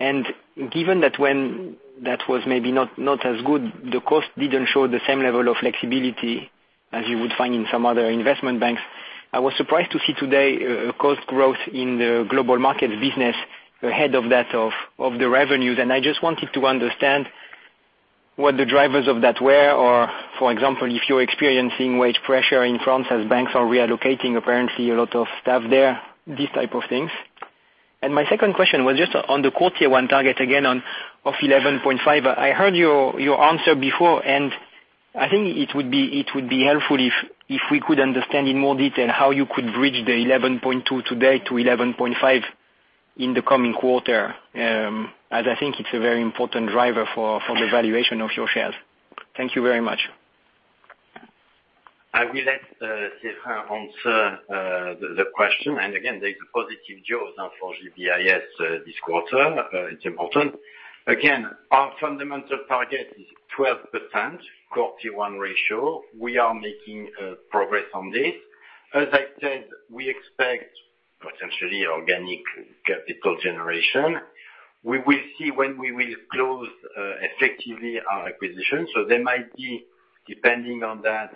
Given that when that was maybe not as good, the cost didn't show the same level of flexibility as you would find in some other investment banks. I was surprised to see today a cost growth in the global market business ahead of that of the revenues. I just wanted to understand what the drivers of that were, or, for example, if you're experiencing wage pressure in France as banks are reallocating, apparently a lot of staff there, these type of things. My second question was just on the quarter one target again of 11.5. I heard your answer before, I think it would be helpful if we could understand in more detail how you could bridge the 11.2 today to 11.5 in the coming quarter, as I think it's a very important driver for the valuation of your shares. Thank you very much. I will let Séverin answer the question. Again, there is a positive job now for GBIS this quarter. It's important. Again, our fundamental target is 12% Core Tier one ratio. We are making progress on this. As I said, we expect potentially organic capital generation. We will see when we will close effectively our acquisition. There might be, depending on that,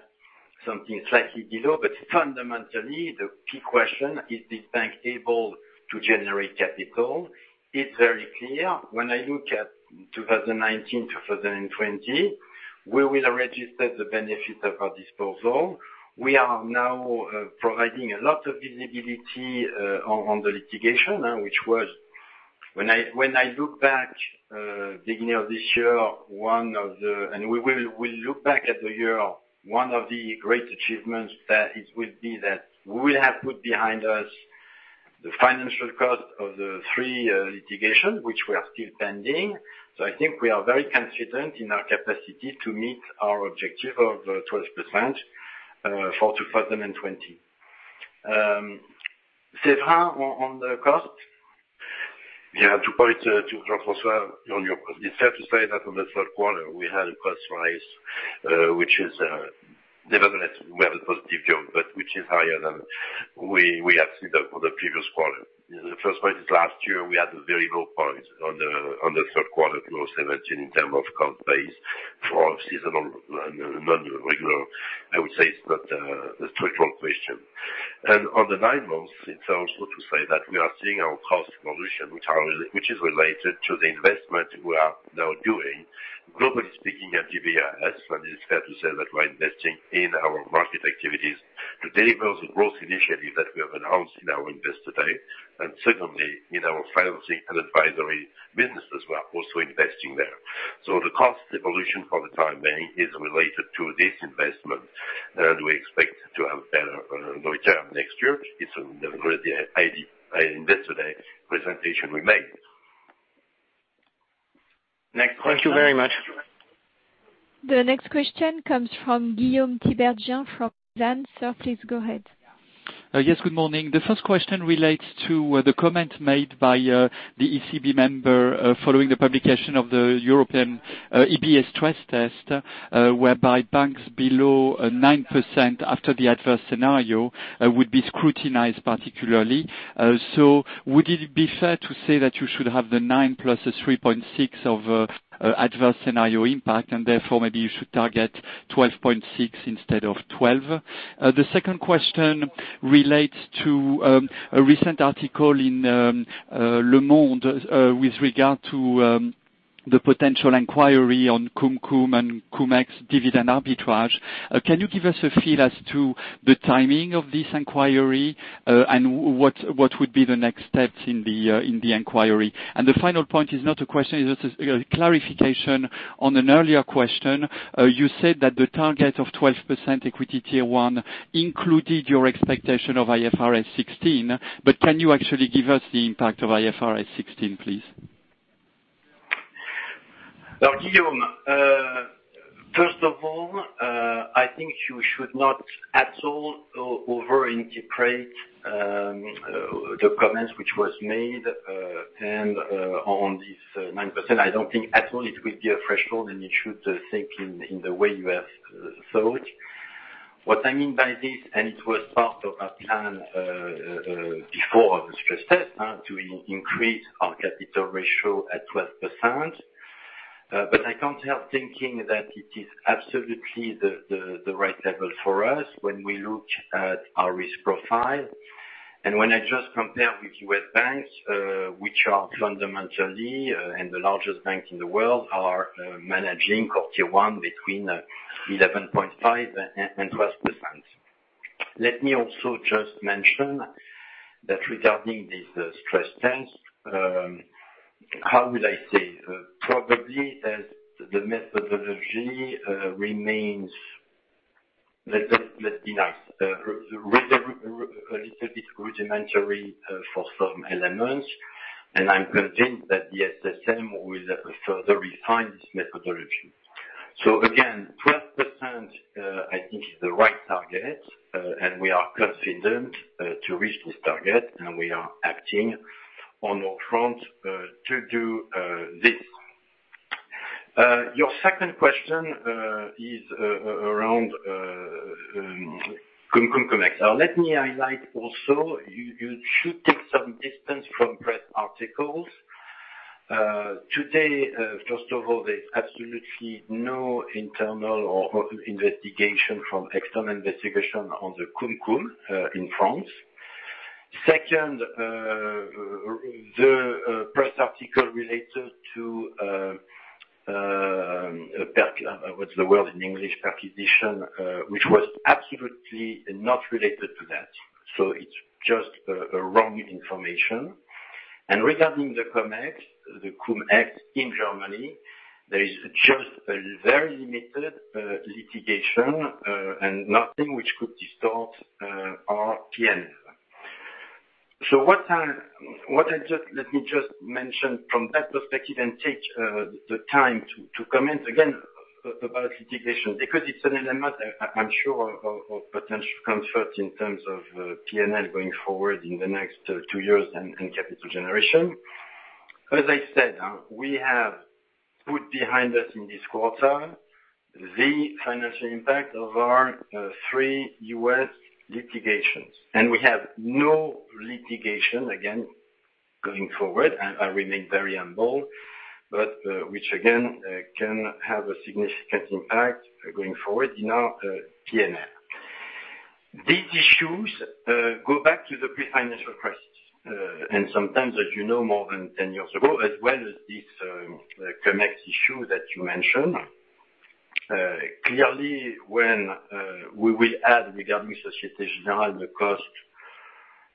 something slightly below, but fundamentally, the key question, is this bank able to generate capital? It's very clear. When I look at 2019-2020, we will register the benefit of our disposal. We are now providing a lot of visibility on the litigation. When I look back, beginning of this year, and we will look back at the year, one of the great achievements that it will be that we will have put behind us the financial cost of the three litigation, which we are still pending. I think we are very confident in our capacity to meet our objective of 12% for 2020. Séverin, on the cost. Two points to Jean-Francois on your point. It's fair to say that on the third quarter, we had a cost rise, nevertheless, we have a positive job, but which is higher than we have seen for the previous quarter. The first point is last year, we had a very low point on the third quarter of 2017 in terms of cost base for seasonal, non-regular, I would say it's not a structural question. On the nine months, it's also to say that we are seeing our cost evolution, which is related to the investment we are now doing, globally speaking, at GBIS, and it's fair to say that we're investing in our market activities to deliver the growth initiative that we have announced in our Investor Day, and secondly, in our financing and advisory business as well, also investing there. The cost evolution for the time being is related to this investment, and we expect to have better return next year. It's in the Investor Day presentation we made. Next question. Thank you very much. The next question comes from Guillaume Tiberghien from Exane. Sir, please go ahead. Yes, good morning. The first question relates to the comment made by the ECB member following the publication of the European EBA stress test, whereby banks below 9% after the adverse scenario would be scrutinized particularly. Would it be fair to say that you should have the nine plus 3.6 of adverse scenario impact, and therefore maybe you should target 12.6 instead of 12? The second question relates to a recent article in "Le Monde" with regard to the potential inquiry on Cum-Cum and Cum-Ex dividend arbitrage. Can you give us a feel as to the timing of this inquiry, and what would be the next steps in the inquiry? The final point is not a question, it's just a clarification on an earlier question. You said that the target of 12% equity Tier oneincluded your expectation of IFRS 16, can you actually give us the impact of IFRS 16, please? I think you should not at all over-interpret the comments which was made on this 9%. I don't think at all it will be a threshold, you should think in the way you have thought. What I mean by this, it was part of our plan before the stress test, to increase our capital ratio at 12%. I can't help thinking that it is absolutely the right level for us when we look at our risk profile. When I just compare with U.S. banks, which are fundamentally and the largest bank in the world, are managing Core Tier one between 11.5%-12%. Let me also just mention that regarding this stress test, how will I say? Probably as the methodology remains, let's be nice. A little bit rudimentary for some elements, I'm convinced that the SSM will further refine this methodology. Again, 12%, I think is the right target, we are confident to reach this target, we are acting on all front to do this. Your second question is around Cum-Cum and Cum-Ex. Let me highlight also, you should take some distance from press articles. Today, first of all, there's absolutely no internal or investigation from external investigation on the Cum-Cum in France. Second, the press article related to What's the word in English? Perquisition, which was absolutely not related to that. It's just a wrong information. Regarding the Cum-Ex in Germany, there is just a very limited litigation, nothing which could distort our P&L. Let me just mention from that perspective and take the time to comment again about litigation, because it's an element I'm sure of potential comfort in terms of P&L going forward in the next two years and capital generation. As I said, we have put behind us in this quarter the financial impact of our three U.S. litigations, we have no litigation, again, going forward. I remain very humble, but which again, can have a significant impact going forward in our P&L. These issues go back to the pre-financial crisis, sometimes, as you know, more than 10 years ago, as well as this Cum-Ex issue that you mentioned. Clearly, when we will add regarding Société Générale the cost,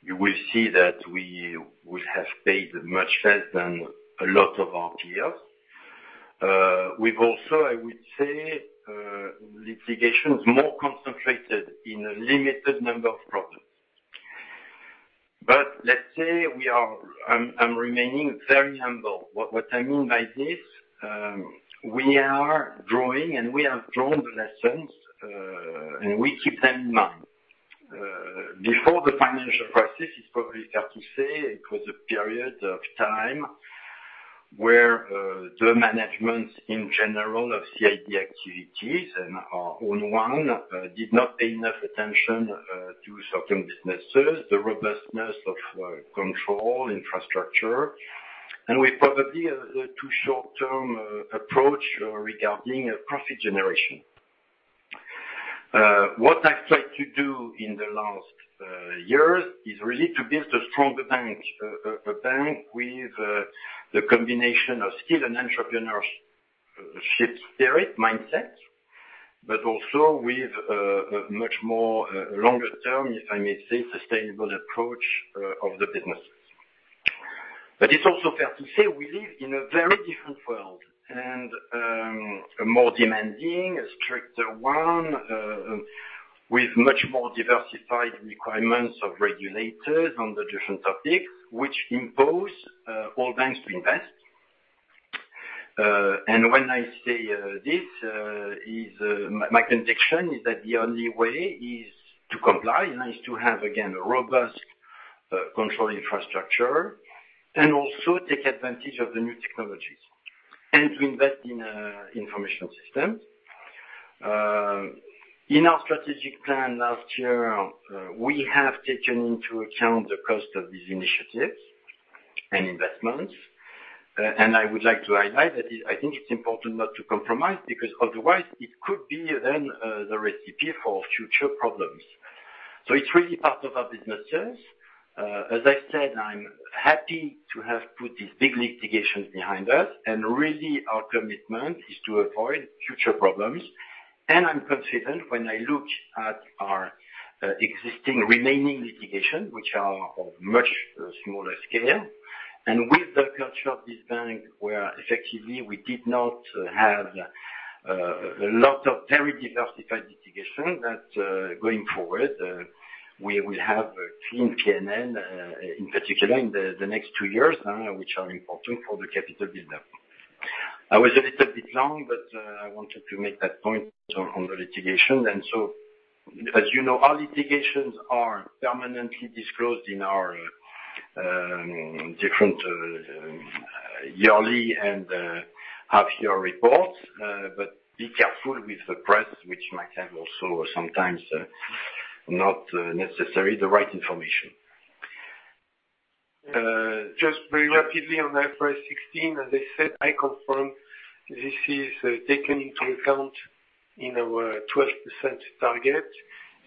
you will see that we will have paid much less than a lot of our peers. We've also, I would say, litigation is more concentrated in a limited number of problems. Let's say I'm remaining very humble. What I mean by this, we are drawing, we have drawn the lessons, we keep them in mind. Before the financial crisis, it's probably fair to say it was a period of time where the management in general of CIB activities and our own one did not pay enough attention to certain businesses, the robustness of control infrastructure, and we probably had a too short-term approach regarding profit generation. What I've tried to do in the last years is really to build a stronger bank. A bank with the combination of skill and entrepreneurship spirit mindset, also with a much more longer term, if I may say, sustainable approach of the businesses. It's also fair to say we live in a very different world, and a more demanding, a stricter one, with much more diversified requirements of regulators on the different topics which impose all banks to invest. When I say this, my conviction is that the only way is to comply, and is to have, again, a robust control infrastructure, and also take advantage of the new technologies, and to invest in information system. In our strategic plan last year, we have taken into account the cost of these initiatives and investments, and I would like to highlight that I think it's important not to compromise, because otherwise it could be then the recipe for future problems. It's really part of our businesses. As I said, I'm happy to have put these big litigations behind us, and really our commitment is to avoid future problems. I'm confident when I look at our existing remaining litigation, which are of much smaller scale, and with the culture of this bank, where effectively we did not have a lot of very diversified litigation, that going forward, we will have a clean P&L, in particular in the next two years, which are important for the capital development. I was a little bit long, but I wanted to make that point on the litigation. As you know, our litigations are permanently disclosed in our different yearly and half-yearly reports. Be careful with the press, which might have also sometimes not necessarily the right information. Just very rapidly on IFRS 16, as I said, I confirm this is taken into account in our 12% target.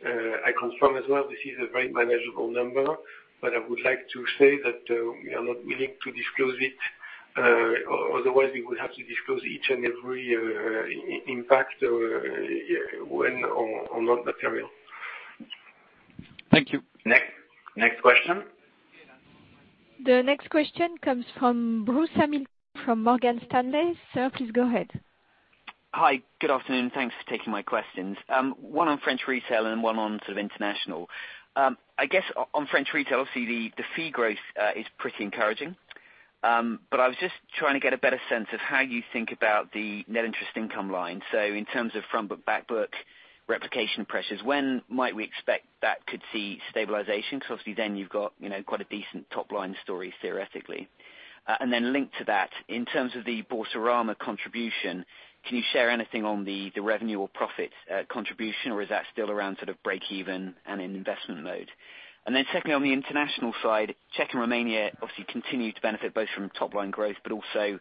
I confirm as well, this is a very manageable number, but I would like to say that we are not willing to disclose it, otherwise we would have to disclose each and every impact when or not material. Thank you. Next question. The next question comes from Bruce Hamilton from Morgan Stanley. Sir, please go ahead. Hi, good afternoon. Thanks for taking my questions. One on French retail and one on sort of international. I guess, on French retail, obviously the fee growth is pretty encouraging. I was just trying to get a better sense of how you think about the net interest income line. In terms of front book, back book replication pressures, when might we expect that could see stabilization? Obviously then you've got quite a decent top-line story, theoretically. Linked to that, in terms of the Boursorama contribution, can you share anything on the revenue or profit contribution, or is that still around sort of breakeven and in investment mode? Secondly, on the international side, Czech and Romania obviously continue to benefit both from top-line growth but also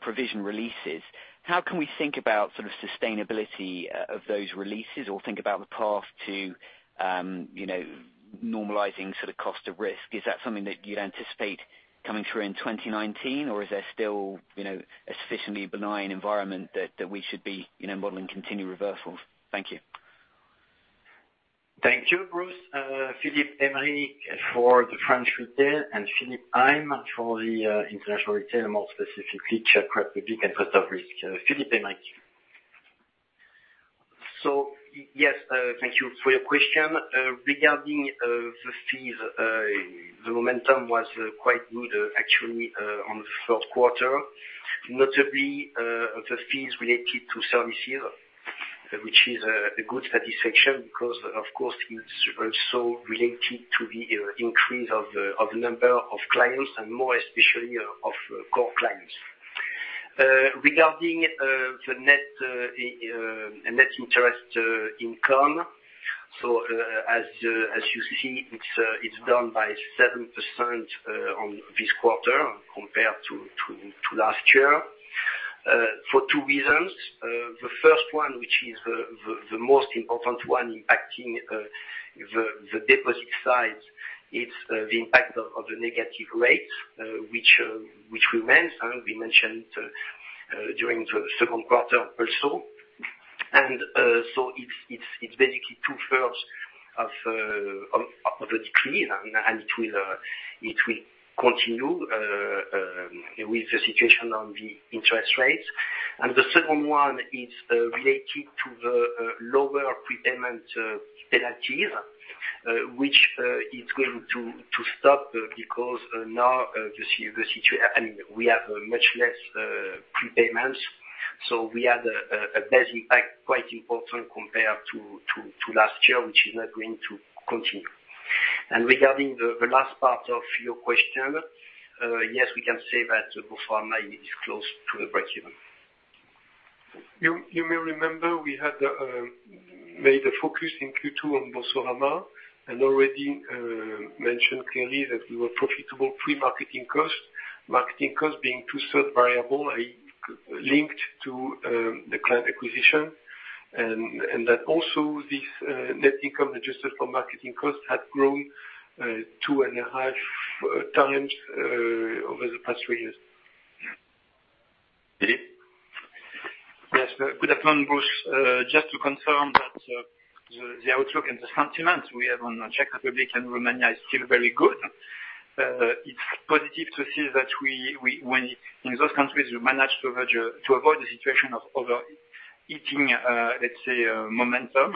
provision releases. How can we think about sort of sustainability of those releases or think about the path to normalizing sort of cost of risk? Is that something that you'd anticipate coming through in 2019, or is there still a sufficiently benign environment that we should be modeling continue reversals? Thank you. Thank you, Bruce. Philippe Aymerich for the French retail and Philippe Heim for the international retail, more specifically Czech Republic and cost of risk. Philippe Aymerich. Yes, thank you for your question. Regarding the fees, the momentum was quite good actually on the third quarter, notably the fees related to services, which is a good satisfaction because of course it's also related to the increase of the number of clients and more especially of core clients. Regarding the net interest income, as you see, it's down by 7% on this quarter compared to last year for two reasons. The first one, which is the most important one impacting the deposit side, it's the impact of the negative rate which remains, and we mentioned during the second quarter also. It's basically two-thirds of the decrease, and it will continue with the situation on the interest rates. The second one is related to the lower prepayment penalties, which is going to stop because now you see the situation, we have much less prepayments. We had a bad impact, quite important compared to last year, which is not going to continue. Regarding the last part of your question, yes, we can say that Boursorama is close to the breakeven. You may remember we had made a focus in Q2 on Boursorama and already mentioned clearly that we were profitable pre-marketing costs, marketing costs being 2/3 variable linked to the client acquisition, and that also this net income adjusted for marketing costs had grown two and a half times over the past three years. Philippe? Yes. Good afternoon, Bruce. Just to confirm that the outlook and the sentiment we have on Czech Republic and Romania is still very good. It's positive to see that in those countries, we managed to avoid the situation of overheating, let's say, momentum.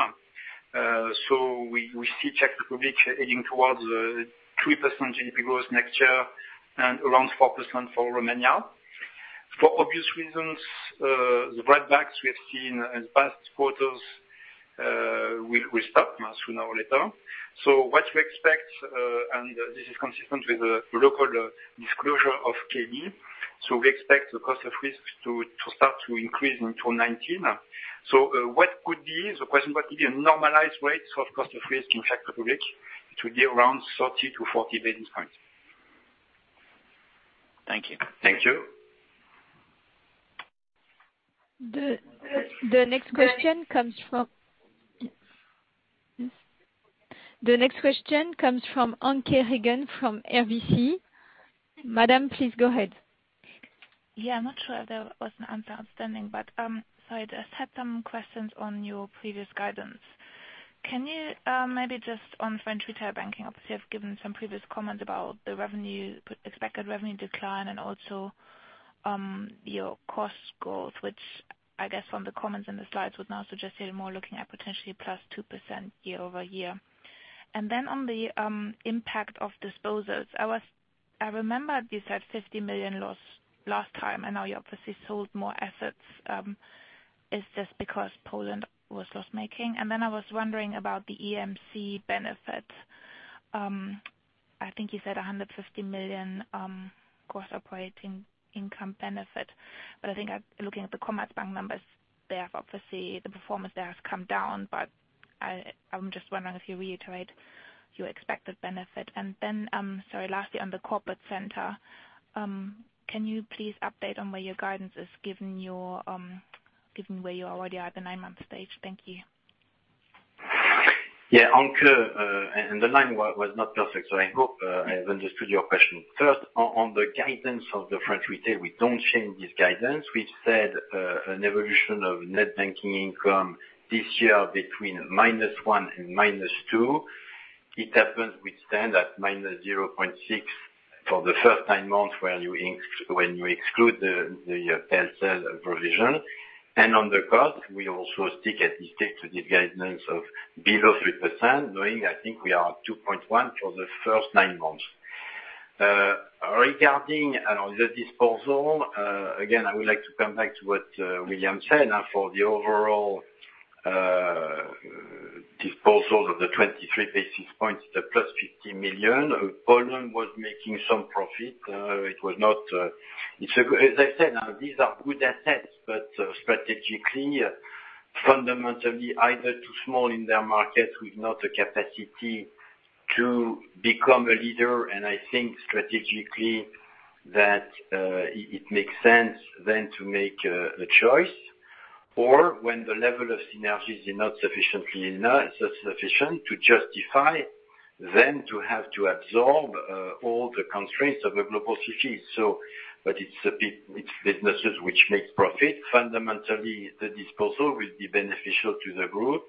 We see Czech Republic heading towards 3% GDP growth next year and around 4% for Romania. For obvious reasons, the write-backs we have seen in past quarters will stop sooner or later. What we expect, and this is consistent with the local disclosure of KB, we expect the cost of risks to start to increase in 2019. What could be, the question, what could be a normalized rate of cost of risk in Czech Republic? It will be around 30 to 40 basis points. Thank you. Thank you. The next question comes from Anke Reingen from RBC. Madame, please go ahead. Yeah, I'm not sure if there was an answer outstanding. I just had some questions on your previous guidance. Can you maybe just on French retail banking, obviously you've given some previous comments about the expected revenue decline and also your cost growth, which I guess from the comments and the slides would now suggest you're more looking at potentially +2% year-over-year. On the impact of disposals, I remember you said 50 million loss last time, and now you obviously sold more assets. Is this because Poland was loss-making? I was wondering about the EMC benefit. I think you said 150 million cost operating income benefit. I think looking at the Commerzbank numbers, obviously the performance there has come down, but I'm just wondering if you reiterate your expected benefit. Sorry, lastly, on the corporate center, can you please update on where your guidance is, given where you already are at the nine-month stage? Thank you. Yeah, Anke, the line was not perfect. I hope I have understood your question. First, on the guidance of the French retail, we don't change this guidance. We've said an evolution of net banking income this year between -1% and -2%. It happens we stand at -0.6% for the first nine months, when you exclude the PEL/CEL provision. On the cost, we also stick at this date to the guidance of below 3%, knowing I think we are at 2.1% for the first nine months. Regarding the disposal, again, I would like to come back to what William said. For the overall disposal of the 23 basis points, the +50 million, Poland was making some profit. As I said, these are good assets, but strategically, fundamentally either too small in their market with not the capacity to become a leader. I think strategically that it makes sense to make a choice. When the level of synergies is not sufficient to justify, to have to absorb all the constraints of a global city. It's businesses which makes profit. Fundamentally, the disposal will be beneficial to the group,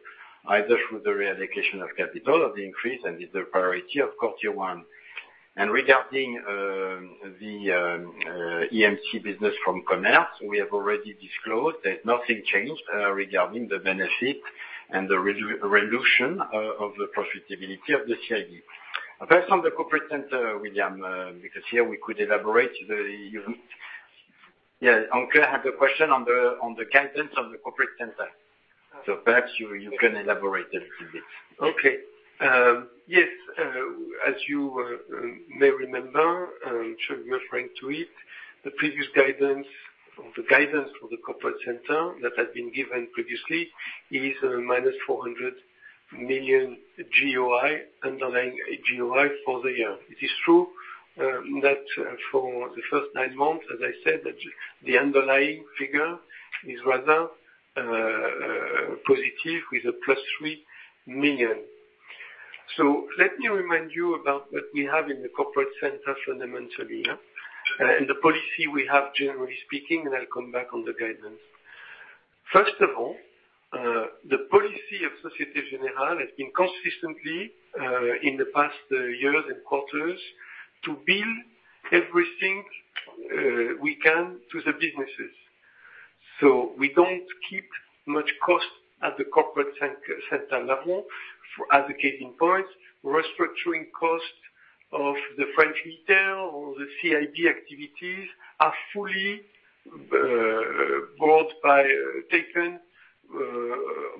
either through the reallocation of capital or the increase. Is the priority of quarter one. Regarding the EMC business from Commerzbank, we have already disclosed that nothing changed regarding the benefit and the reduction of the profitability of the CIB. Perhaps on the corporate center, William, because here we could elaborate. Anke had the question on the guidance of the corporate center. Perhaps you can elaborate a little bit. Okay. Yes, as you may remember, I'm sure you're referring to it, the previous guidance or the guidance for the corporate center that had been given previously is minus 400 million GOI, underlying GOI for the year. It is true that for the first nine months, as I said, that the underlying figure is rather positive with a +3 million. Let me remind you about what we have in the corporate center fundamentally, the policy we have generally speaking. I'll come back on the guidance. First of all, the policy of Société Générale has been consistently, in the past years and quarters, to build everything we can to the businesses. We don't keep much cost at the corporate center level. As a case in point, restructuring cost of the French retail or the CIB activities are fully taken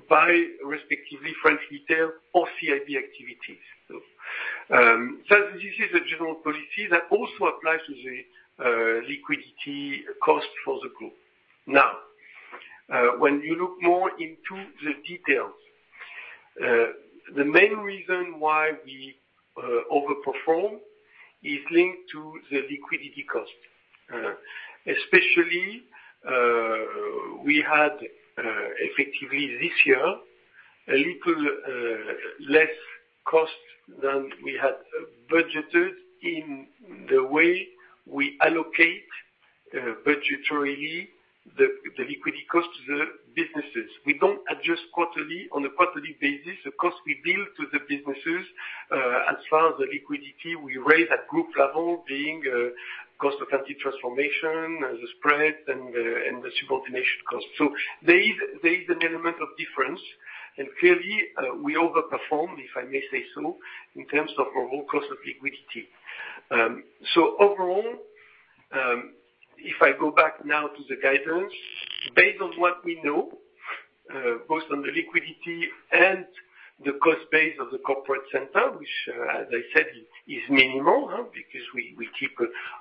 by respectively French retail or CIB activities. This is a general policy that also applies to the liquidity cost for the group. When you look more into the details, the main reason why we over-perform is linked to the liquidity cost. Especially, we had effectively this year, a little less cost than we had budgeted in the way we allocate budgetary, the liquidity cost to the businesses. We don't adjust quarterly on a quarterly basis the cost we bill to the businesses. As far as the liquidity we raise at group level, being cost of anti-transformation, the spread, and the subordination cost. There is an element of difference. Clearly we over-perform, if I may say so, in terms of our whole cost of liquidity. Overall, if I go back now to the guidance, based on what we know, both on the liquidity and the cost base of the corporate center, which as I said, is minimal because we keep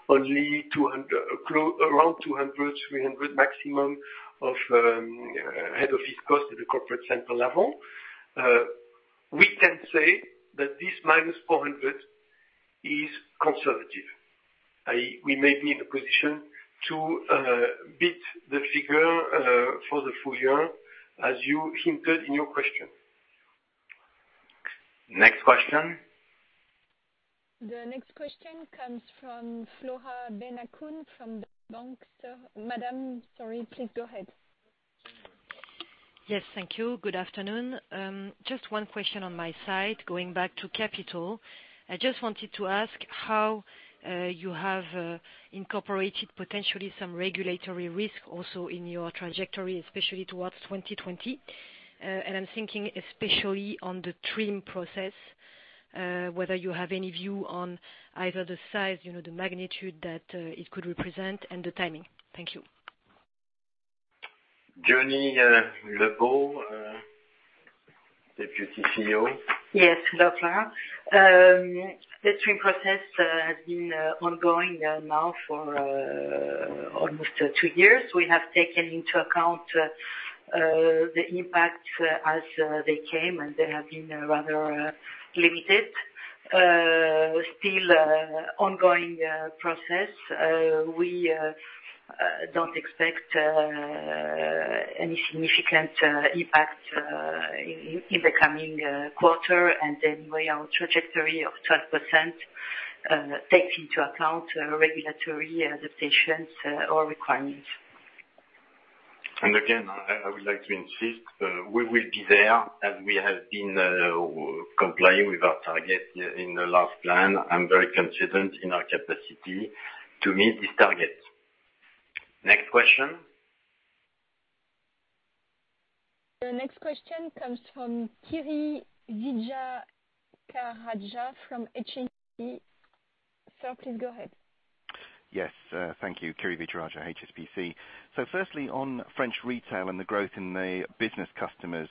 only around 200, 300 maximum of head office cost at the corporate center level. We can say that this minus 400 is conservative. We may be in a position to beat the figure for the full year, as you hinted in your question. Next question. The next question comes from Flora Benhakoun from Deutsche Bank. Madam, sorry, please go ahead. Yes. Thank you. Good afternoon. Just one question on my side, going back to capital. I just wanted to ask how you have incorporated potentially some regulatory risk also in your trajectory, especially towards 2020. I'm thinking especially on the TRIM process, whether you have any view on either the size, the magnitude that it could represent, and the timing. Thank you. Diony Lebot, Deputy CEO. Yes, Flora. The TRIM process has been ongoing now for almost two years. We have taken into account the impact as they came, and they have been rather limited. Still ongoing process. We don't expect any significant impact in the coming quarter. Anyway, our trajectory of 12% takes into account regulatory adaptations or requirements. Again, I would like to insist, we will be there, as we have been complying with our target in the last plan. I'm very confident in our capacity to meet this target. Next question. The next question comes from Kiri Vijayarajah from HSBC. Sir, please go ahead. Yes, thank you. Kiri Vijayarajah, HSBC. Firstly, on French retail and the growth in the business customers,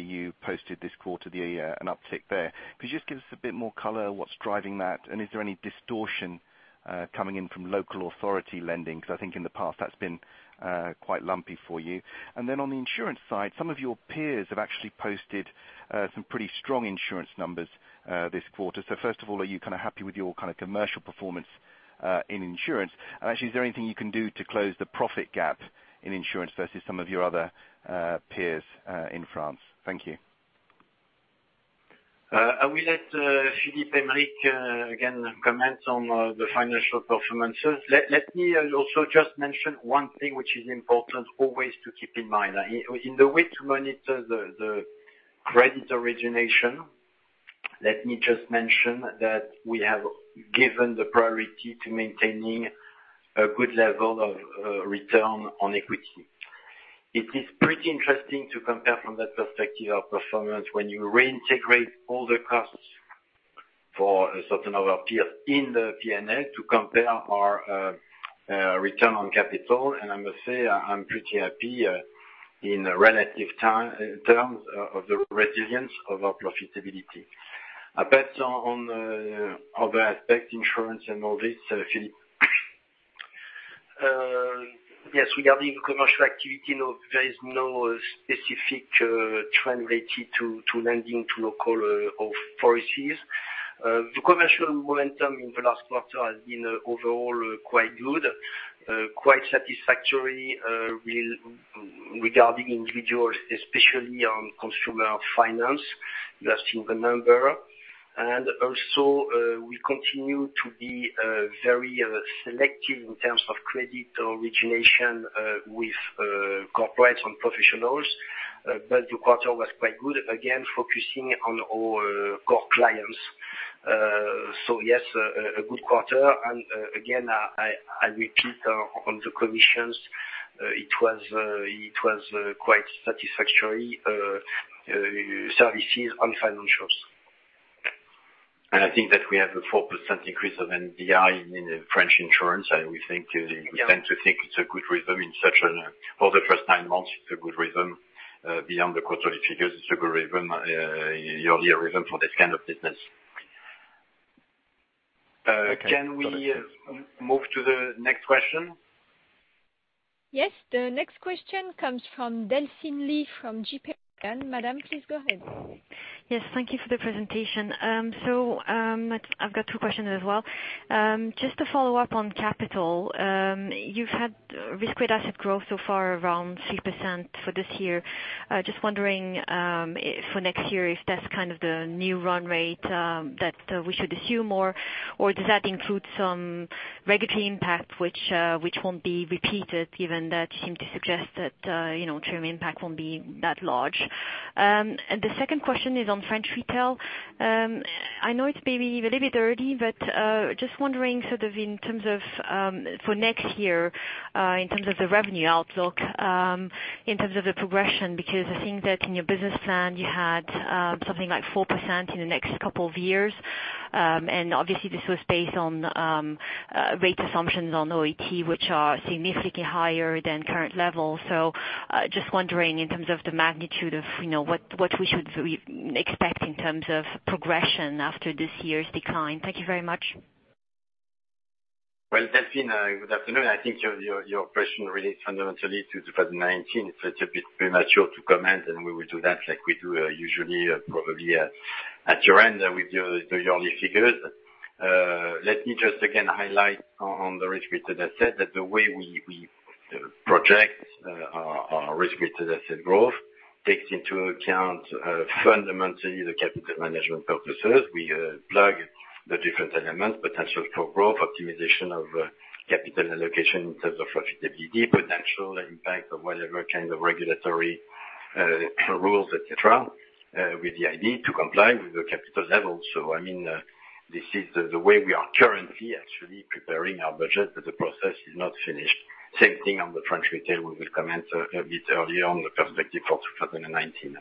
you posted this quarter an uptick there. Could you just give us a bit more color? What's driving that, and is there any distortion coming in from local authority lending? Because I think in the past that's been quite lumpy for you. Then on the insurance side, some of your peers have actually posted some pretty strong insurance numbers this quarter. First of all, are you happy with your commercial performance in insurance? Actually, is there anything you can do to close the profit gap in insurance versus some of your other peers in France? Thank you. I will let Philippe Aymerich again comment on the financial performance. Let me also just mention one thing which is important always to keep in mind. In the way to monitor the credit origination, let me just mention that we have given the priority to maintaining a good level of return on equity. It is pretty interesting to compare from that perspective our performance when you reintegrate all the costs for certain of our peers in the P&L to compare our return on capital. I must say, I'm pretty happy in relative terms of the resilience of our profitability. On the other aspect, insurance and all this, Philippe. Yes, regarding commercial activity, there is no specific trend related to lending to local authorities. The commercial momentum in the last quarter has been overall quite good. Quite satisfactory regarding individuals, especially on consumer finance. You have seen the number. Also, we continue to be very selective in terms of credit origination with corporates and professionals. The quarter was quite good, again, focusing on our core clients. Yes, a good quarter. Again, I repeat on the commissions, it was quite satisfactory services on financials. I think that we have a 4% increase of NBI in French insurance. We tend to think it's a good rhythm. For the first nine months, it's a good rhythm. Beyond the quarterly figures, it's a good yearly rhythm for this kind of business. Can we move to the next question? Yes. The next question comes from Delphine Lee from JPMorgan. Madame, please go ahead. Yes, thank you for the presentation. I've got two questions as well. Just to follow up on capital, you've had risk-weighted asset growth so far around 3% for this year. Just wondering for next year if that's the new run rate that we should assume, or does that include some regulatory impact which won't be repeated, given that you seem to suggest that TRIM impact won't be that large? The second question is on French retail. I know it's maybe a little bit early, but just wondering sort of in terms of for next year, in terms of the revenue outlook, in terms of the progression, because I think that in your business plan, you had something like 4% in the next couple of years. Obviously this was based on rate assumptions on OAT, which are significantly higher than current levels. Just wondering in terms of the magnitude of what we should expect in terms of progression after this year's decline. Thank you very much. Well, Delphine, good afternoon. I think your question relates fundamentally to 2019. It's a bit premature to comment, and we will do that like we do usually, probably at year-end with the yearly figures. Let me just again highlight on the risk-weighted asset, that the way we project our risk-weighted asset growth takes into account fundamentally the capital management purposes. We plug the different elements, potential for growth, optimization of capital allocation in terms of profitability, potential impact of whatever kind of regulatory rules, et cetera, with the idea to comply with the capital levels. This is the way we are currently actually preparing our budget, but the process is not finished. Same thing on the French retail, we will comment a bit earlier on the perspective for 2019.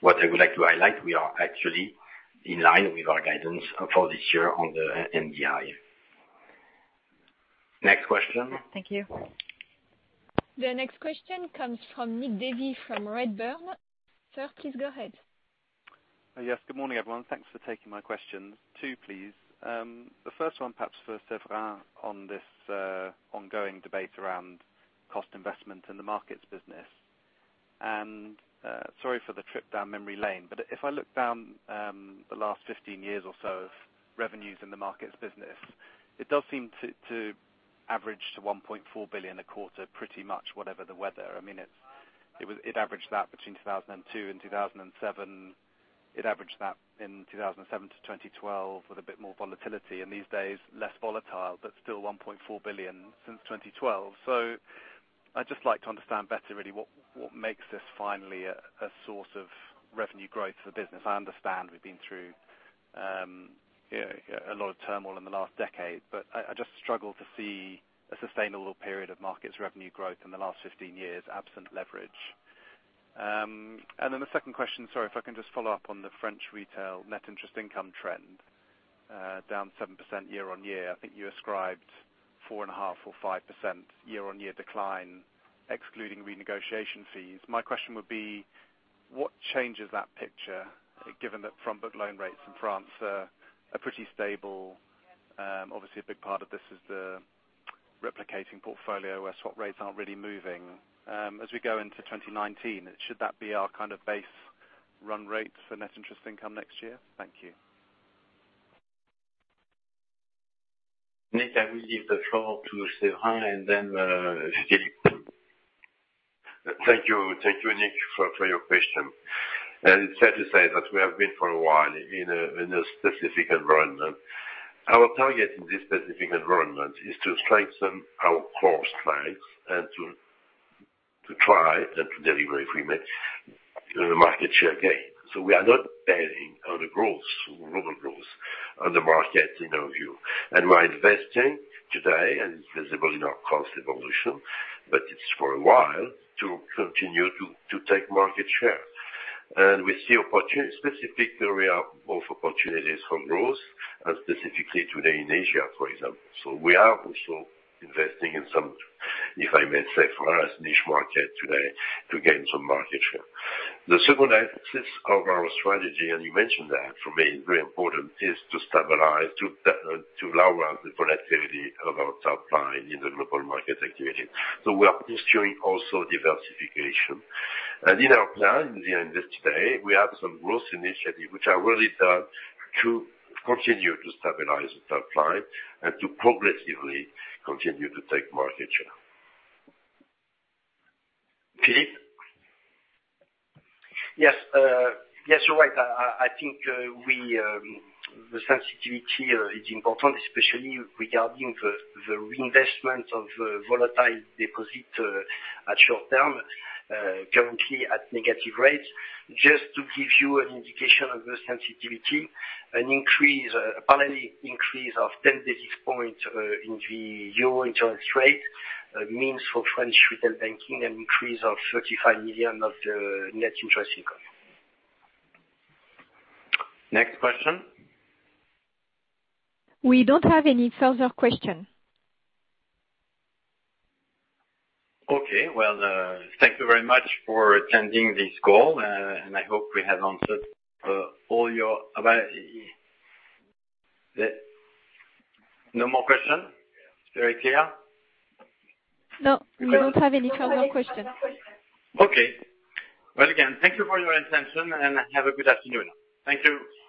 What I would like to highlight, we are actually in line with our guidance for this year on the NII. Next question. Thank you. The next question comes from Nick Davey from Redburn. Sir, please go ahead. Yes. Good morning, everyone. Thanks for taking my questions. Two, please. The first one perhaps for Séverin on this ongoing debate around cost investment in the markets business. Sorry for the trip down memory lane, but if I look down the last 15 years or so of revenues in the markets business, it does seem to average to 1.4 billion a quarter, pretty much whatever the weather. It averaged that between 2002 and 2007. It averaged that in 2007 to 2012 with a bit more volatility, and these days less volatile, but still 1.4 billion since 2012. I'd just like to understand better really what makes this finally a source of revenue growth for the business. I understand we've been through a lot of turmoil in the last decade, but I just struggle to see a sustainable period of markets revenue growth in the last 15 years absent leverage. The second question, sorry, if I can just follow up on the French retail net interest income trend, down 7% year-on-year, I think you ascribed 4.5% or 5% year-on-year decline, excluding renegotiation fees. My question would be, what changes that picture, given that front book loan rates in France are pretty stable? Obviously, a big part of this is the replicating portfolio where swap rates aren't really moving. As we go into 2019, should that be our base run rate for net interest income next year? Thank you. Nick, I will give the floor to Séverin and then Philippe. Thank you, Nick, for your question. It's sad to say that we have been for a while in a specific environment. Our target in this specific environment is to strengthen our core strengths and to try and to deliver, if we may, market share gain. We are not betting on the growth, global growth on the market in our view. We're investing today, and visible in our cost evolution, but it's for a while to continue to take market share. We see specific area of opportunities for growth, specifically today in Asia, for example. We are also investing in some, if I may say, for us, niche market today to gain some market share. The second hypothesis of our strategy, and you mentioned that, for me, very important, is to stabilize, to lower the volatility of our top line in the global market activity. We are pursuing also diversification. In our plan, in the end of today, we have some growth initiatives which are really done to continue to stabilize the top line and to progressively continue to take market share. Philippe? Yes. You're right. I think the sensitivity is important, especially regarding the reinvestment of volatile deposit at short term, currently at negative rates. Just to give you an indication of the sensitivity, an increase, apparently increase of 10 basis points in the euro interest rate, means for French retail banking, an increase of 35 million of the net interest income. Next question. We don't have any further question. Okay. Well, thank you very much for attending this call. I hope we have answered all your No more question? It's very clear? No. We don't have any further question. Okay. Well, again, thank you for your attention. Have a good afternoon. Thank you.